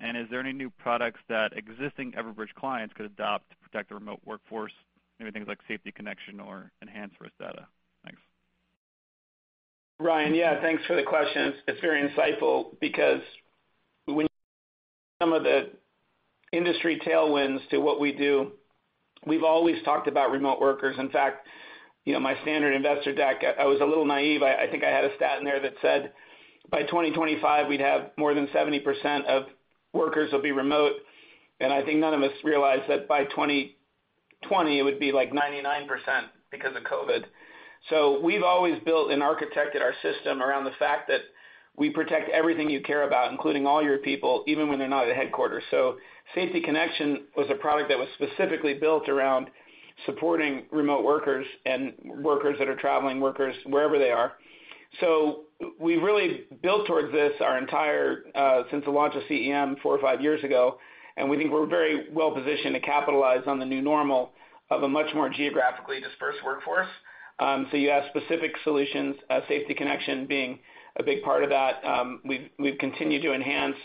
Is there any new products that existing Everbridge clients could adopt to protect the remote workforce? Maybe things like Safety Connection or enhanced risk data. Thanks. Ryan, thanks for the question. It's very insightful because when you some of the industry tailwinds to what we do, we've always talked about remote workers. In fact, my standard investor deck, I was a little naive. I think I had a stat in there that said by 2025, we'd have more than 70% of workers will be remote. I think none of us realized that by 2020 it would be like 99% because of COVID-19. We've always built and architected our system around the fact that we protect everything you care about, including all your people, even when they're not at headquarters. Safety Connection was a product that was specifically built around supporting remote workers and workers that are traveling, workers wherever they are. We've really built towards this our entire, since the launch of CEM four or five years ago, and we think we're very well-positioned to capitalize on the new normal of a much more geographically dispersed workforce. You asked specific solutions, Safety Connection being a big part of that. We've continued to enhance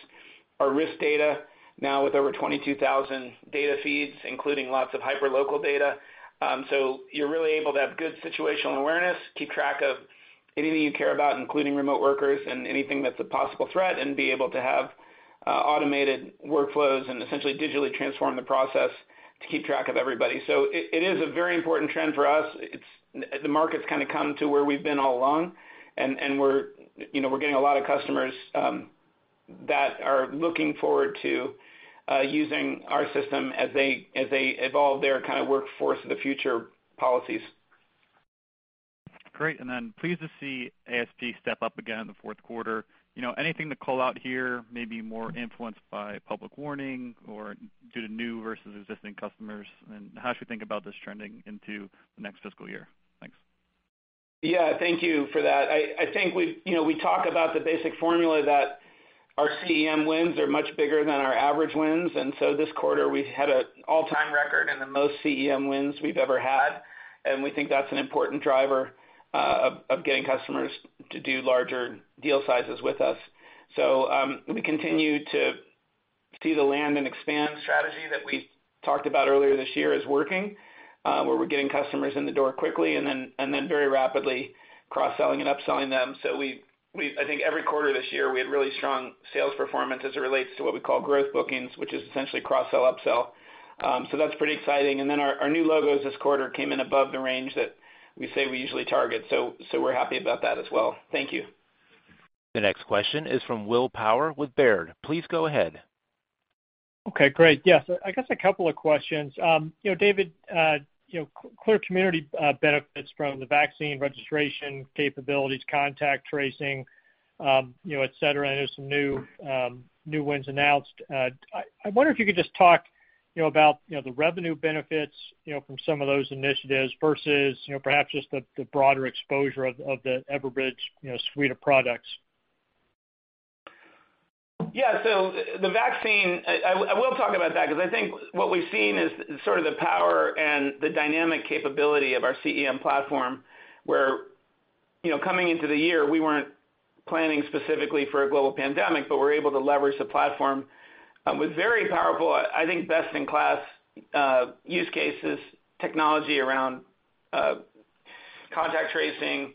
our risk data now with over 22,000 data feeds, including lots of hyperlocal data. You're really able to have good situational awareness, keep track of anything you care about, including remote workers and anything that's a possible threat, and be able to have automated workflows and essentially digitally transform the process to keep track of everybody. It is a very important trend for us. The market's kind of come to where we've been all along, and we're getting a lot of customers that are looking forward to using our system as they evolve their kind of workforce of the future policies. Great. Pleased to see ASP step up again in the fourth quarter. Anything to call out here, maybe more influenced by Public Warning or due to new versus existing customers? How should we think about this trending into the next fiscal year? Thanks. Thank you for that. I think we talk about the basic formula that our CEM wins are much bigger than our average wins, and so this quarter we had an all-time record and the most CEM wins we've ever had, and we think that's an important driver of getting customers to do larger deal sizes with us. We continue to see the land and expand strategy that we talked about earlier this year is working, where we're getting customers in the door quickly and then very rapidly cross-selling and upselling them. I think every quarter this year we had really strong sales performance as it relates to what we call growth bookings, which is essentially cross-sell, upsell. That's pretty exciting. Our new logos this quarter came in above the range that we say we usually target. We're happy about that as well. Thank you. The next question is from Will Power with Baird. Please go ahead. Okay, great. Yes, I guess a couple of questions. David, clearly, community benefits from the vaccine registration capabilities, Contact Tracing, et cetera. I know some new wins announced. I wonder if you could just talk about the revenue benefits from some of those initiatives versus perhaps just the broader exposure of the Everbridge suite of products. Yeah. The vaccine, I will talk about that because I think what we've seen is sort of the power and the dynamic capability of our CEM platform, where coming into the year, we weren't planning specifically for a global pandemic, but we're able to leverage the platform with very powerful, I think best-in-class use cases, technology around Contact Tracing,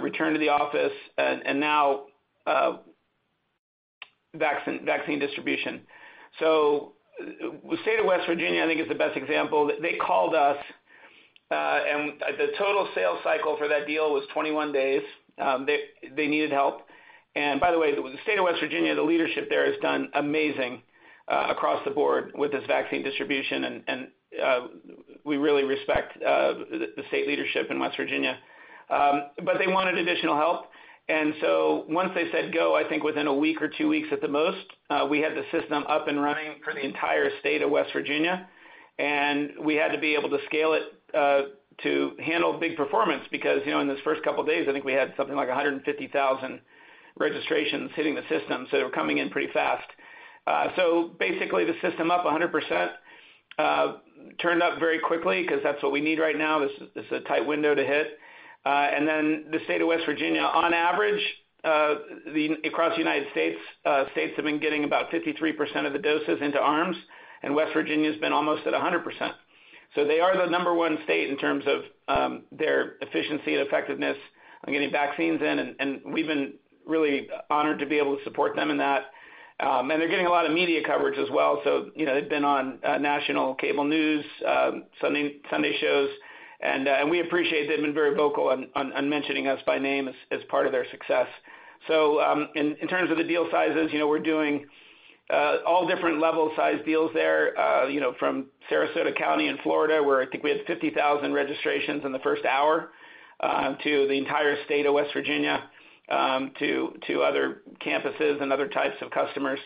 Return to Work, and now Vaccine Distribution. The State of West Virginia, I think, is the best example. They called us, and the total sales cycle for that deal was 21 days. They needed help. By the way, the State of West Virginia, the leadership there has done amazing across the board with this Vaccine Distribution, and we really respect the State leadership in West Virginia. They wanted additional help. Once they said go, I think within one or two weeks at the most, we had the system up and running for the entire state of West Virginia, and we had to be able to scale it to handle big performance because, in those first couple of days, I think we had something like 150,000 registrations hitting the system. They were coming in pretty fast. Basically, the system up 100%, turned up very quickly because that's what we need right now. This is a tight window to hit. The state of West Virginia, on average, across the U.S., states have been getting about 53% of the doses into arms, and West Virginia has been almost at 100%. They are the number one state in terms of their efficiency and effectiveness on getting vaccines in, and we've been really honored to be able to support them in that. They're getting a lot of media coverage as well, so they've been on national cable news, Sunday shows, and we appreciate they've been very vocal on mentioning us by name as part of their success. In terms of the deal sizes, we're doing all different level size deals there, from Sarasota County in Florida, where I think we had 50,000 registrations in the first hour, to the entire state of West Virginia, to other campuses and other types of customers.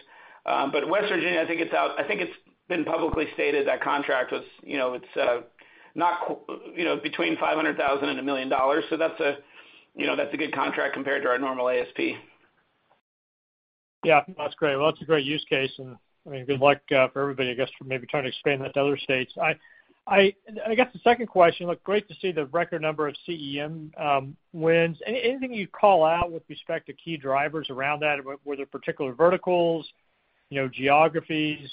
West Virginia, I think it's been publicly stated that contract was between $500,000-$1 million. That's a good contract compared to our normal ASP. Yeah. That's great. Well, that's a great use case, and good luck for everybody, I guess, for maybe trying to expand that to other states. I guess the second question, look, great to see the record number of CEM wins. Anything you'd call out with respect to key drivers around that? Were there particular verticals, geographies,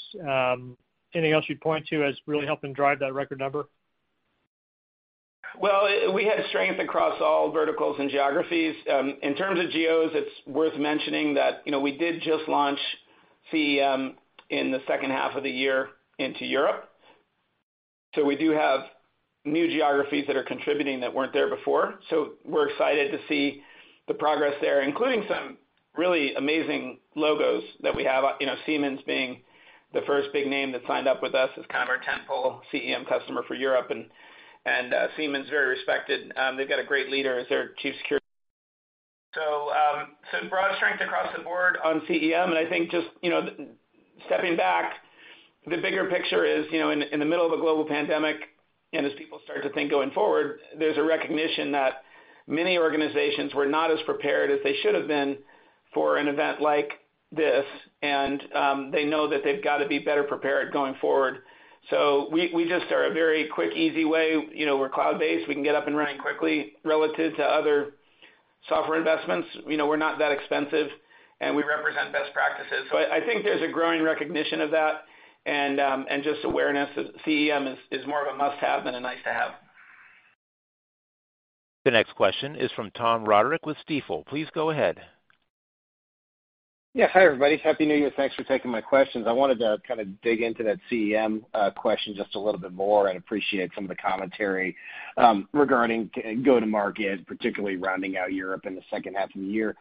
anything else you'd point to as really helping drive that record number? Well, we had strength across all verticals and geographies. In terms of geos, it's worth mentioning that we did just launch CEM in the second half of the year into Europe. We do have new geographies that are contributing that weren't there before. We're excited to see the progress there, including some really amazing logos that we have, Siemens being the first big name that signed up with us as kind of our tent pole CEM customer for Europe. Siemens is very respected. They've got a great leader as their chief security. Broad strength across the board on CEM. I think just stepping back, the bigger picture is, in the middle of a global pandemic, and as people start to think going forward, there's a recognition that many organizations were not as prepared as they should have been for an event like this. They know that they've got to be better prepared going forward. We just are a very quick, easy way. We're cloud-based. We can get up and running quickly relative to other software investments. We're not that expensive, and we represent best practices. I think there's a growing recognition of that and just awareness that CEM is more of a must-have than a nice-to-have. The next question is from Tom Roderick with Stifel. Please go ahead. Yeah. Hi, everybody. Happy New Year. Thanks for taking my questions. I wanted to kind of dig into that CEM question just a little bit more and appreciate some of the commentary regarding go to market, particularly rounding out Europe in the second half of the year.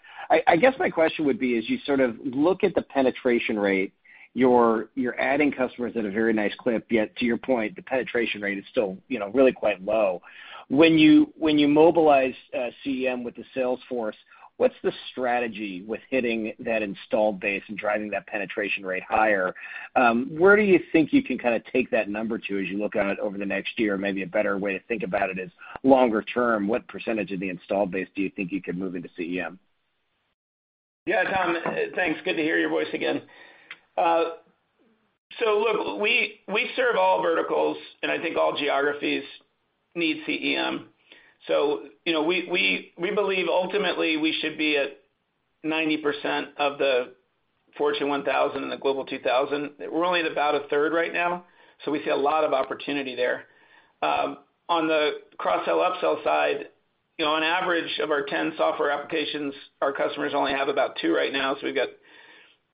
I guess my question would be, as you sort of look at the penetration rate, you're adding customers at a very nice clip, yet to your point, the penetration rate is still really quite low. When you mobilize CEM with the sales force, what's the strategy with hitting that installed base and driving that penetration rate higher? Where do you think you can kind of take that number to as you look out over the next year? Maybe a better way to think about it is longer term, what percentage of the installed base do you think you can move into CEM? Yeah, Tom. Thanks. Good to hear your voice again. Look, we serve all verticals, and I think all geographies need CEM. We believe ultimately we should be at 90% of the Fortune 1000 and the Global 2000. We're only at about a third right now, we see a lot of opportunity there. On the cross-sell, up-sell side, on average of our 10 software applications, our customers only have about two right now. We've got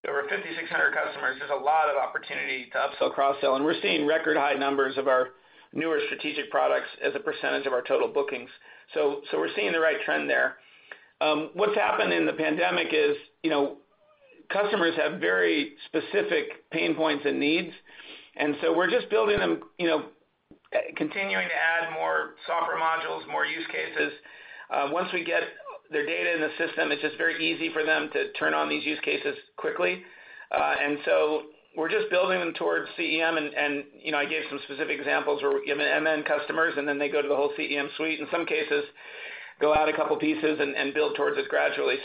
over 5,600 customers. There's a lot of opportunity to up-sell, cross-sell, and we're seeing record high numbers of our newer strategic products as a percentage of our total bookings. We're seeing the right trend there. What's happened in the pandemic is customers have very specific pain points and needs, we're just building them, continuing to add more software modules, more use cases. Once we get their data in the system, it's just very easy for them to turn on these use cases quickly. We're just building them towards CEM and I gave some specific examples where EMNS customers, and then they go to the whole CEM suite. In some cases, go out a couple pieces and build towards it gradually.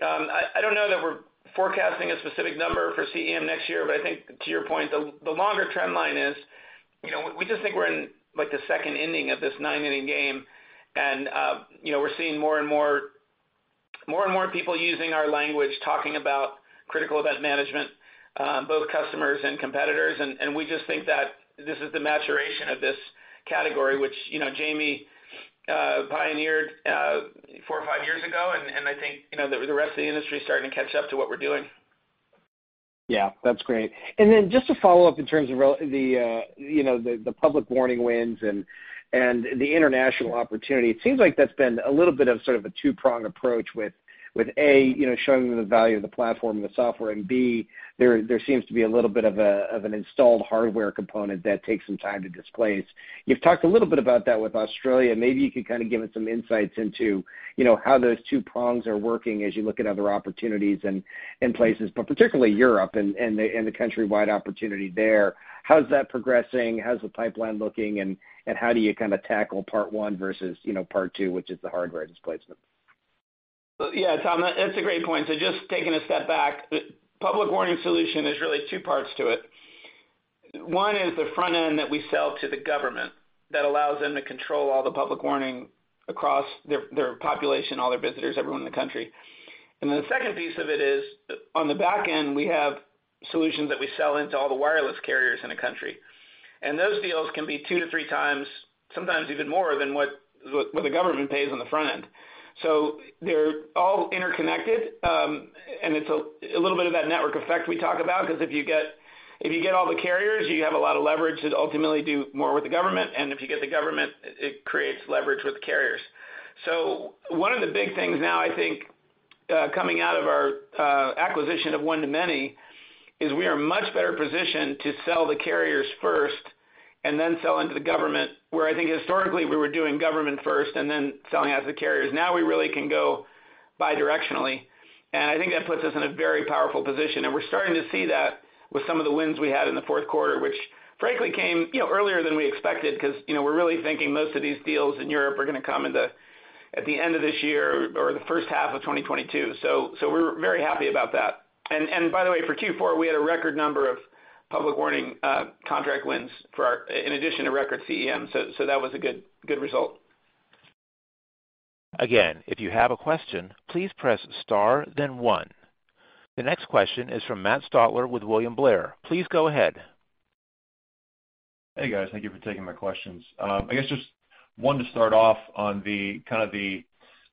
I don't know that we're forecasting a specific number for CEM next year, but I think to your point, the longer trend line is we just think we're in the second inning of this nine-inning game. We're seeing more and more people using our language, talking about Critical Event Management, both customers and competitors. We just think that this is the maturation of this category, which Jaime pioneered four or five years ago. I think the rest of the industry is starting to catch up to what we're doing. Yeah, that's great. Just to follow up in terms of the Public Warning wins and the international opportunity, it seems like that's been a little bit of sort of a two-prong approach with, A, showing them the value of the platform and the software, and B, there seems to be a little bit of an installed hardware component that takes some time to displace. You've talked a little bit about that with Australia. Maybe you could kind of give us some insights into how those two prongs are working as you look at other opportunities and places, but particularly Europe and the countrywide opportunity there. How's that progressing? How's the pipeline looking? How do you kind of tackle part one versus part two, which is the hardware displacement? Yeah, Tom, that's a great point. Just taking a step back, Public Warning Solution, there's really two parts to it. One is the front end that we sell to the government that allows them to control all the Public Warning across their population, all their visitors, everyone in the country. The second piece of it is, on the back end, we have solutions that we sell into all the wireless carriers in a country. Those deals can be 2-3 times, sometimes even more, than what the government pays on the front end. They're all interconnected, and it's a little bit of that network effect we talk about, because if you get all the carriers, you have a lot of leverage to ultimately do more with the government, and if you get the government, it creates leverage with the carriers. One of the big things now, I think, coming out of our acquisition of one2many is we are much better positioned to sell the carriers first and then sell into the government, where I think historically, we were doing government first and then selling out to the carriers. Now we really can go bidirectionally, and I think that puts us in a very powerful position. We're starting to see that with some of the wins we had in the fourth quarter, which frankly came earlier than we expected, because we're really thinking most of these deals in Europe are going to come at the end of this year or the first half of 2022. We're very happy about that. By the way, for Q4, we had a record number of Public Warning contract wins in addition to record CEM. That was a good result. Again, if you have a question, please press star then one. The next question is from Matt Stotler with William Blair. Please go ahead. Hey, guys. Thank you for taking my questions. I guess just one to start off on the kind of the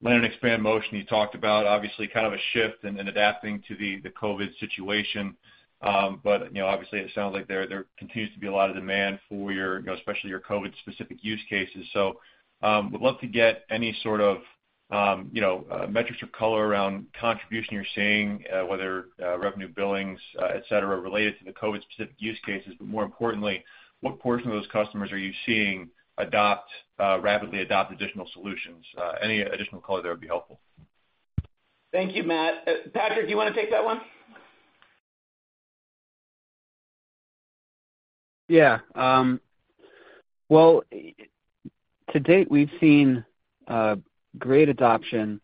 land and expand motion you talked about. Obviously, kind of a shift in adapting to the COVID situation. Obviously it sounds like there continues to be a lot of demand for especially your COVID-specific use cases. Would love to get any sort of metrics or color around contribution you're seeing, whether revenue billings, et cetera, related to the COVID-specific use cases, but more importantly, what portion of those customers are you seeing rapidly adopt additional solutions? Any additional color there would be helpful. Thank you, Matt. Patrick, do you want to take that one? Well, to date, we've seen great adoption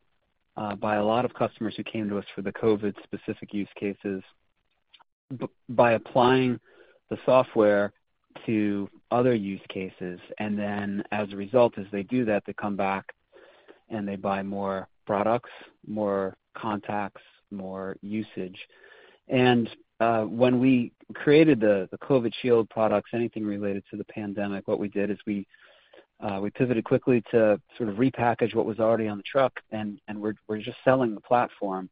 by a lot of customers who came to us for the COVID-specific use cases by applying the software to other use cases. Then as a result, as they do that, they come back and they buy more products, more contacts, more usage. When we created the COVID-19 Shield products, anything related to the pandemic, what we did is we pivoted quickly to sort of repackage what was already on the truck, and we're just selling the platform.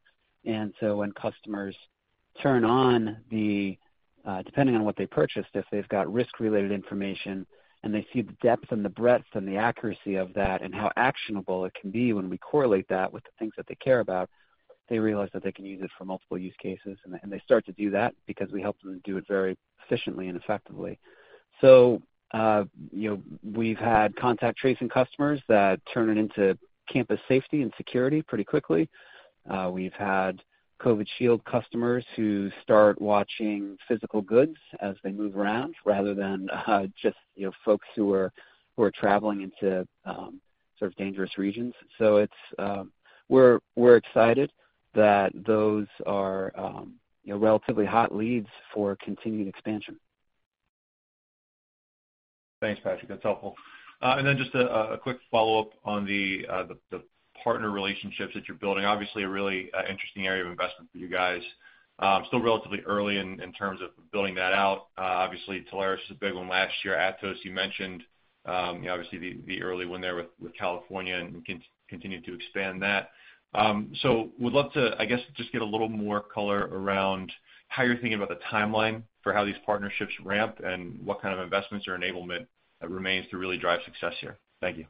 Depending on what they purchased, if they've got risk-related information and they see the depth and the breadth and the accuracy of that and how actionable it can be when we correlate that with the things that they care about, they realize that they can use it for multiple use cases, and they start to do that because we help them do it very efficiently and effectively. We've had Contact Tracing customers that turn it into campus safety and security pretty quickly. We've had COVID-19 Shield customers who start watching physical goods as they move around rather than just folks who are traveling into sort of dangerous regions. We're excited that those are relatively hot leads for continued expansion. Thanks, Patrick. That's helpful. Then just a quick follow-up on the partner relationships that you're building. Obviously, a really interesting area of investment for you guys. Still relatively early in terms of building that out. Obviously, Telarus is a big one last year. Atos you mentioned. Obviously the early one there with California and continue to expand that. Would love to, I guess, just get a little more color around how you're thinking about the timeline for how these partnerships ramp and what kind of investments or enablement remains to really drive success here. Thank you.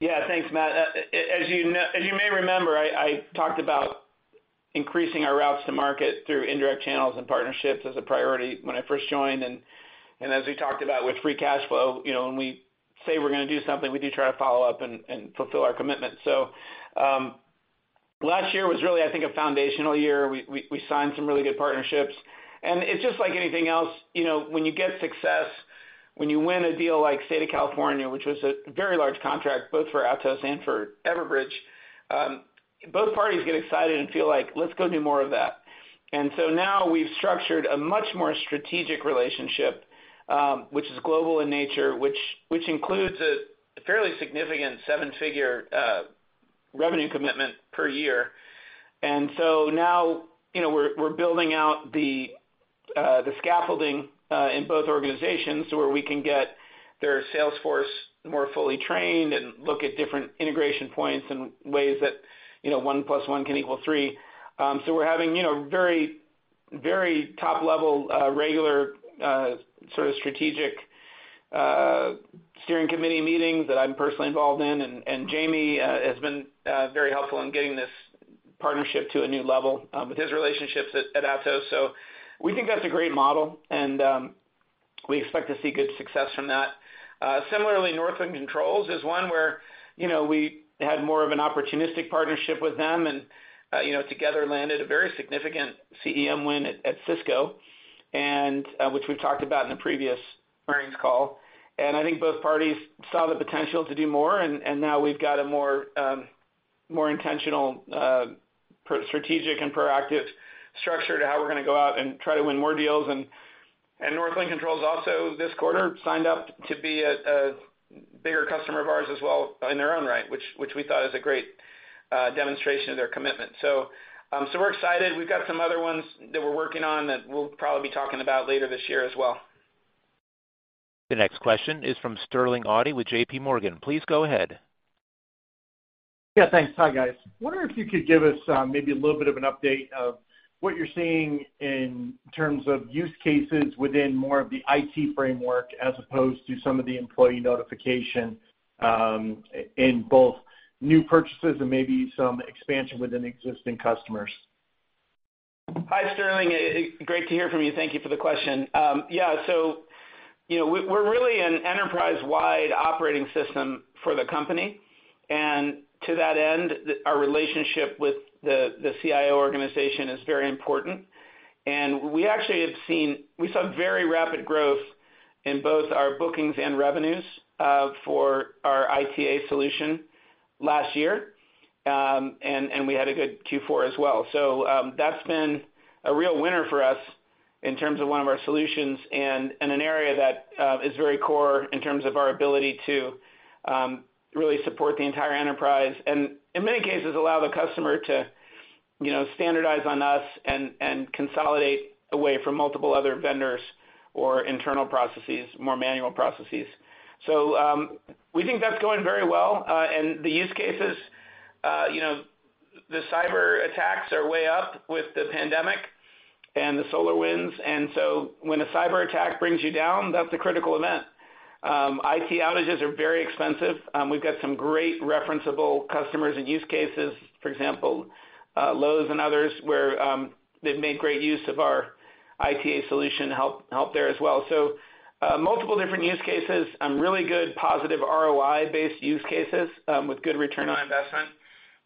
Yeah. Thanks, Matt. As you may remember, I talked about increasing our routes to market through indirect channels and partnerships as a priority when I first joined. As we talked about with free cash flow, when we say we're going to do something, we do try to follow up and fulfill our commitment. Last year was really, I think, a foundational year. We signed some really good partnerships. It's just like anything else. When you get success, when you win a deal like State of California, which was a very large contract both for Atos and for Everbridge, both parties get excited and feel like, "Let's go do more of that." Now we've structured a much more strategic relationship, which is global in nature, which includes a fairly significant seven-figure revenue commitment per year. Now, we're building out the scaffolding in both organizations where we can get their sales force more fully trained and look at different integration points and ways that one plus one can equal three. We're having very top level, regular sort of strategic steering committee meetings that I'm personally involved in. Jaime has been very helpful in getting this partnership to a new level with his relationships at Atos. We think that's a great model, and we expect to see good success from that. Similarly, Northland Controls is one where we had more of an opportunistic partnership with them and together landed a very significant CEM win at Cisco, which we've talked about in the previous earnings call. I think both parties saw the potential to do more, and now we've got a more intentional, strategic and proactive structure to how we're going to go out and try to win more deals. Northland Controls also this quarter signed up to be a bigger customer of ours as well in their own right, which we thought is a great demonstration of their commitment. We're excited. We've got some other ones that we're working on that we'll probably be talking about later this year as well. The next question is from Sterling Auty with JPMorgan. Please go ahead. Yeah, thanks. Hi, guys. Wondering if you could give us maybe a little bit of an update of what you're seeing in terms of use cases within more of the IT framework, as opposed to some of the employee notification, in both new purchases and maybe some expansion within existing customers? Hi, Sterling. Great to hear from you. Thank you for the question. We're really an enterprise-wide operating system for the company. To that end, our relationship with the CIO organization is very important. We saw very rapid growth in both our bookings and revenues for our IT Alerting solution last year. We had a good Q4 as well. That's been a real winner for us in terms of one of our solutions and in an area that is very core in terms of our ability to really support the entire enterprise. In many cases, allow the customer to standardize on us and consolidate away from multiple other vendors or internal processes, more manual processes. We think that's going very well. The use cases, the cyberattacks are way up with the pandemic and the SolarWinds. When a cyberattack brings you down, that's a critical event. IT outages are very expensive. We've got some great referenceable customers and use cases, for example, Lowe's and others, where they've made great use of our IT solution to help there as well. Multiple different use cases, really good positive ROI-based use cases, with good return on investment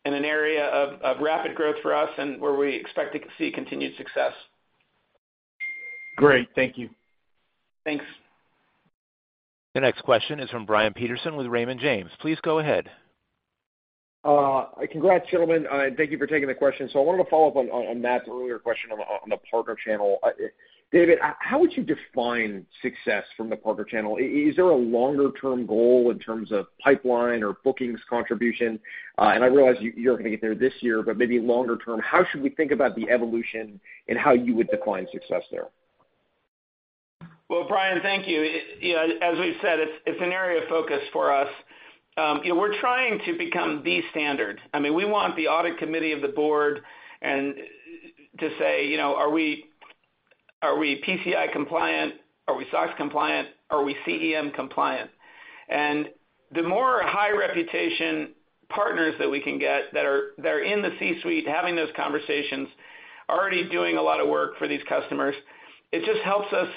in an area of rapid growth for us and where we expect to see continued success. Great. Thank you. Thanks. The next question is from Brian Peterson with Raymond James. Please go ahead. Congrats, gentlemen. Thank you for taking the question. I wanted to follow up on Matt's earlier question on the partner channel. David, how would you define success from the partner channel? Is there a longer-term goal in terms of pipeline or bookings contribution? I realize you're not going to get there this year, but maybe longer term, how should we think about the evolution and how you would define success there? Well, Brian, thank you. As we've said, it's an area of focus for us. We're trying to become the standard. We want the audit committee of the board to say, are we PCI compliant? Are we SOX compliant? Are we CEM compliant? The more high reputation partners that we can get that are in the C-suite having those conversations, already doing a lot of work for these customers, it just helps us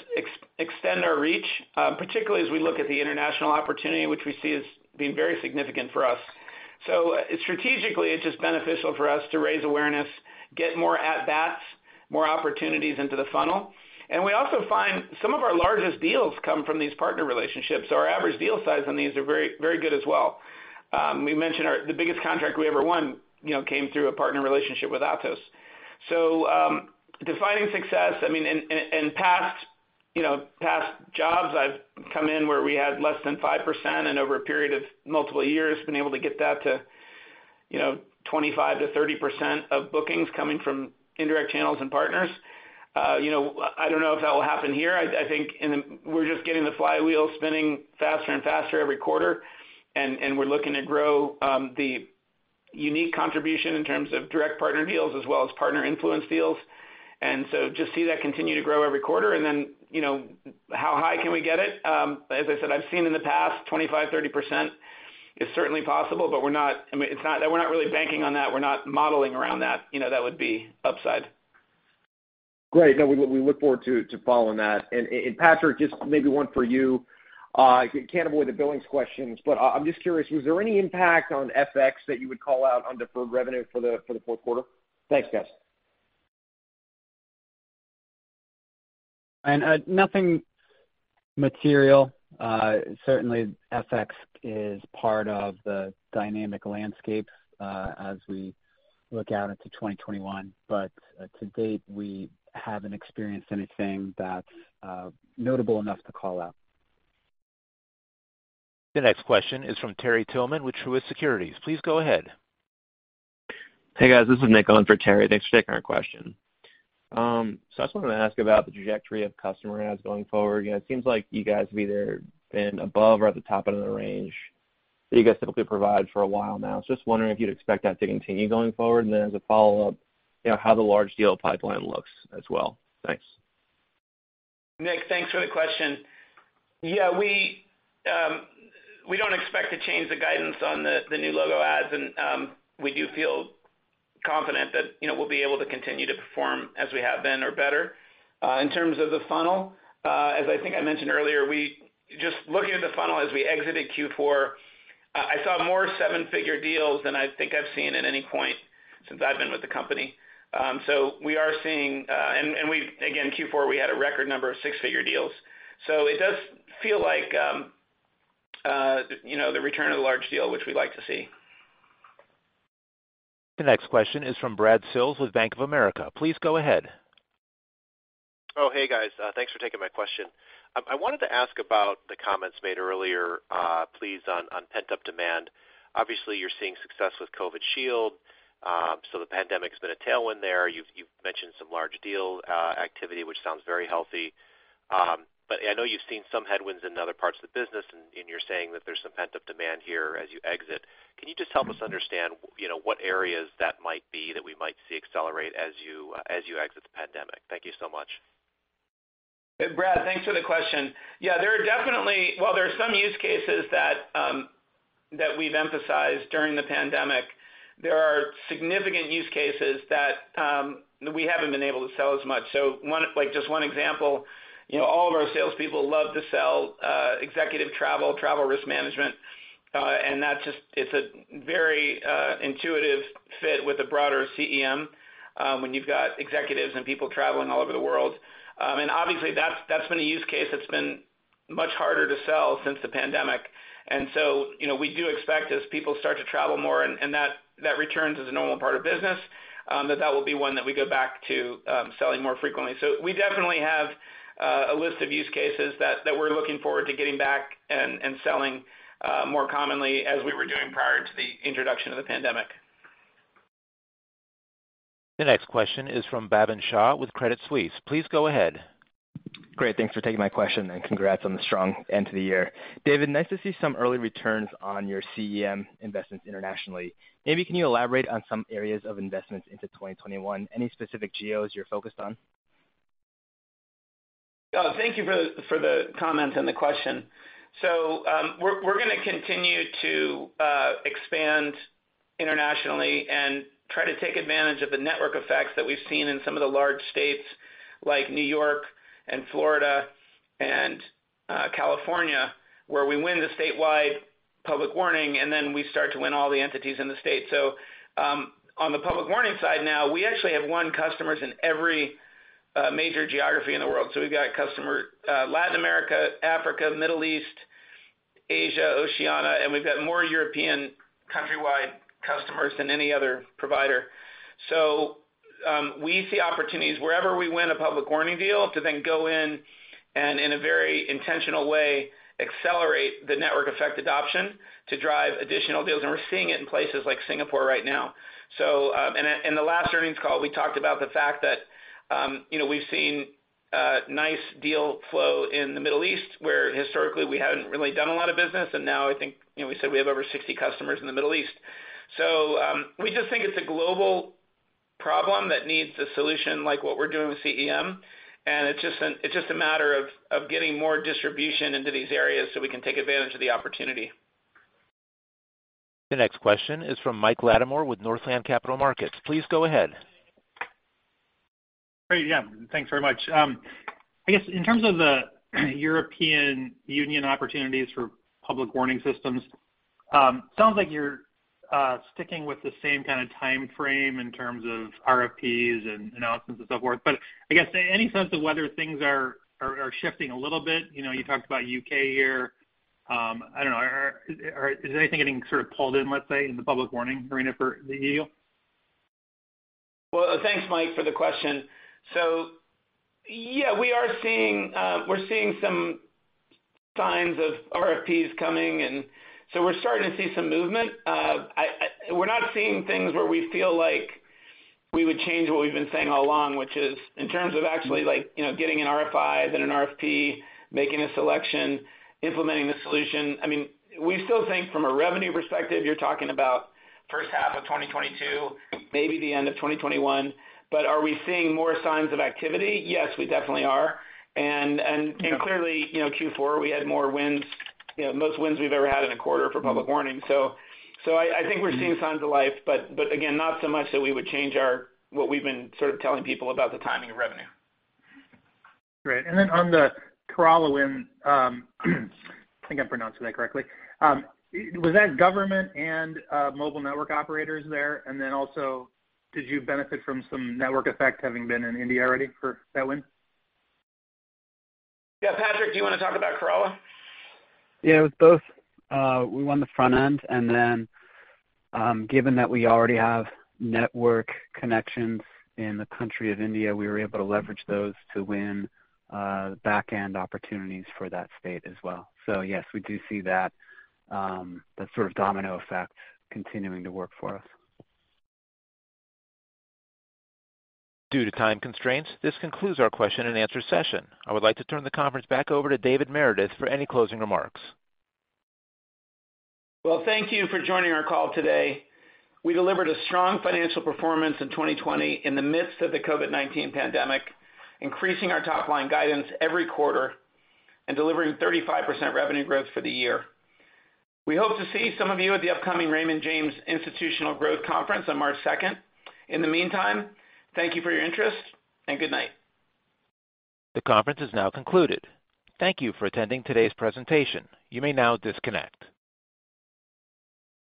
extend our reach, particularly as we look at the international opportunity, which we see as being very significant for us. Strategically, it's just beneficial for us to raise awareness, get more at bats, more opportunities into the funnel. We also find some of our largest deals come from these partner relationships. Our average deal size on these are very good as well. We mentioned the biggest contract we ever won came through a partner relationship with Atos. Defining success, in past jobs I've come in where we had less than 5%, and over a period of multiple years, been able to get that to 25%-30% of bookings coming from indirect channels and partners. I don't know if that will happen here. I think we're just getting the flywheel spinning faster and faster every quarter, and we're looking to grow the unique contribution in terms of direct partner deals as well as partner influence deals. Just see that continue to grow every quarter. How high can we get it? As I said, I've seen in the past 25%, 30% is certainly possible, we're not really banking on that. We're not modeling around that. That would be upside. Great. No, we look forward to following that. Patrick, just maybe one for you. I can't avoid the billings questions, but I'm just curious, was there any impact on FX that you would call out on deferred revenue for the fourth quarter? Thanks, guys. Nothing material. Certainly FX is part of the dynamic landscape as we look out into 2021. To date, we haven't experienced anything that's notable enough to call out. The next question is from Terry Tillman with Truist Securities. Please go ahead. Hey, guys. This is Nick on for Terry. Thanks for taking our question. I just wanted to ask about the trajectory of customer adds going forward. It seems like you guys have either been above or at the top end of the range that you guys typically provide for a while now. Just wondering if you'd expect that to continue going forward, and then as a follow-up, how the large deal pipeline looks as well. Thanks. Nick, thanks for the question. Yeah, we don't expect to change the guidance on the new logo adds and we do feel confident that we'll be able to continue to perform as we have been or better. In terms of the funnel, as I think I mentioned earlier, just looking at the funnel as we exited Q4, I saw more seven-figure deals than I think I've seen at any point since I've been with the company. We are seeing. Again, Q4, we had a record number of six-figure deals. It does feel like the return of the large deal, which we like to see. The next question is from Brad Sills with Bank of America. Please go ahead. Oh, hey, guys. Thanks for taking my question. I wanted to ask about the comments made earlier, please, on pent-up demand. Obviously, you're seeing success with COVID-19 Shield. The pandemic's been a tailwind there. You've mentioned some large deal activity, which sounds very healthy. I know you've seen some headwinds in other parts of the business, and you're saying that there's some pent-up demand here as you exit. Can you just help us understand what areas that might be that we might see accelerate as you exit the pandemic? Thank you so much. Brad, thanks for the question. Yeah, well, there are some use cases that we've emphasized during the pandemic. There are significant use cases that we haven't been able to sell as much. Just one example, all of our salespeople love to sell executive travel risk management. That's just a very intuitive fit with a broader CEM, when you've got executives and people traveling all over the world. Obviously, that's been a use case that's been much harder to sell since the pandemic. We do expect as people start to travel more and that returns as a normal part of business, that that will be one that we go back to selling more frequently. We definitely have a list of use cases that we're looking forward to getting back and selling more commonly as we were doing prior to the introduction of the pandemic. The next question is from Bhavin Shah with Credit Suisse. Please go ahead. Great. Thanks for taking my question. Congrats on the strong end to the year. David, nice to see some early returns on your CEM investments internationally. Maybe can you elaborate on some areas of investments into 2021? Any specific geos you're focused on? Thank you for the comments and the question. We're going to continue to expand internationally and try to take advantage of the network effects that we've seen in some of the large states like New York and Florida and California, where we win the statewide Public Warning, and then we start to win all the entities in the state. On the Public Warning side now, we actually have won customers in every major geography in the world. We've got Latin America, Africa, Middle East, Asia, Oceania, and we've got more European countrywide customers than any other provider. We see opportunities wherever we win a Public Warning deal to then go in, and in a very intentional way, accelerate the network effect adoption to drive additional deals. We're seeing it in places like Singapore right now. In the last earnings call, we talked about the fact that we've seen a nice deal flow in the Middle East, where historically we hadn't really done a lot of business. Now I think we said we have over 60 customers in the Middle East. We just think it's a global problem that needs a solution like what we're doing with CEM, and it's just a matter of getting more distribution into these areas so we can take advantage of the opportunity. The next question is from Mike Latimore with Northland Capital Markets. Please go ahead. Great. Yeah. Thanks very much. I guess in terms of the European Union opportunities for public warning systems, sounds like you're sticking with the same kind of timeframe in terms of RFPs and announcements and so forth. I guess any sense of whether things are shifting a little bit? You talked about U.K. here. I don't know. Is anything getting sort of pulled in, let's say, in the public warning arena for the E.U.? Thanks, Mike, for the question. Yeah, we're seeing some signs of RFPs coming, we're starting to see some movement. We're not seeing things where we feel like we would change what we've been saying all along, which is in terms of actually getting an RFI, then an RFP, making a selection, implementing the solution. We still think from a revenue perspective, you're talking about first half of 2022, maybe the end of 2021. Are we seeing more signs of activity? Yes, we definitely are. Clearly, Q4, we had more wins, most wins we've ever had in a quarter for Public Warning. I think we're seeing signs of life, again, not so much that we would change what we've been sort of telling people about the timing of revenue. Great. On the Kerala win, I think I'm pronouncing that correctly. Was that government and mobile network operators there? Did you benefit from some network effect having been in India already for that win? Yeah, Patrick, do you want to talk about Kerala? It was both. We won the front end, and then given that we already have network connections in the country of India, we were able to leverage those to win back-end opportunities for that state as well. Yes, we do see that sort of domino effect continuing to work for us. Due to time constraints, this concludes our question and answer session. I would like to turn the conference back over to David Meredith for any closing remarks. Well, thank you for joining our call today. We delivered a strong financial performance in 2020 in the midst of the COVID-19 pandemic, increasing our top-line guidance every quarter and delivering 35% revenue growth for the year. We hope to see some of you at the upcoming Raymond James Institutional Investors Conference on March 2nd. In the meantime, thank you for your interest, and good night. The conference is now concluded. Thank you for attending today's presentation. You may now disconnect.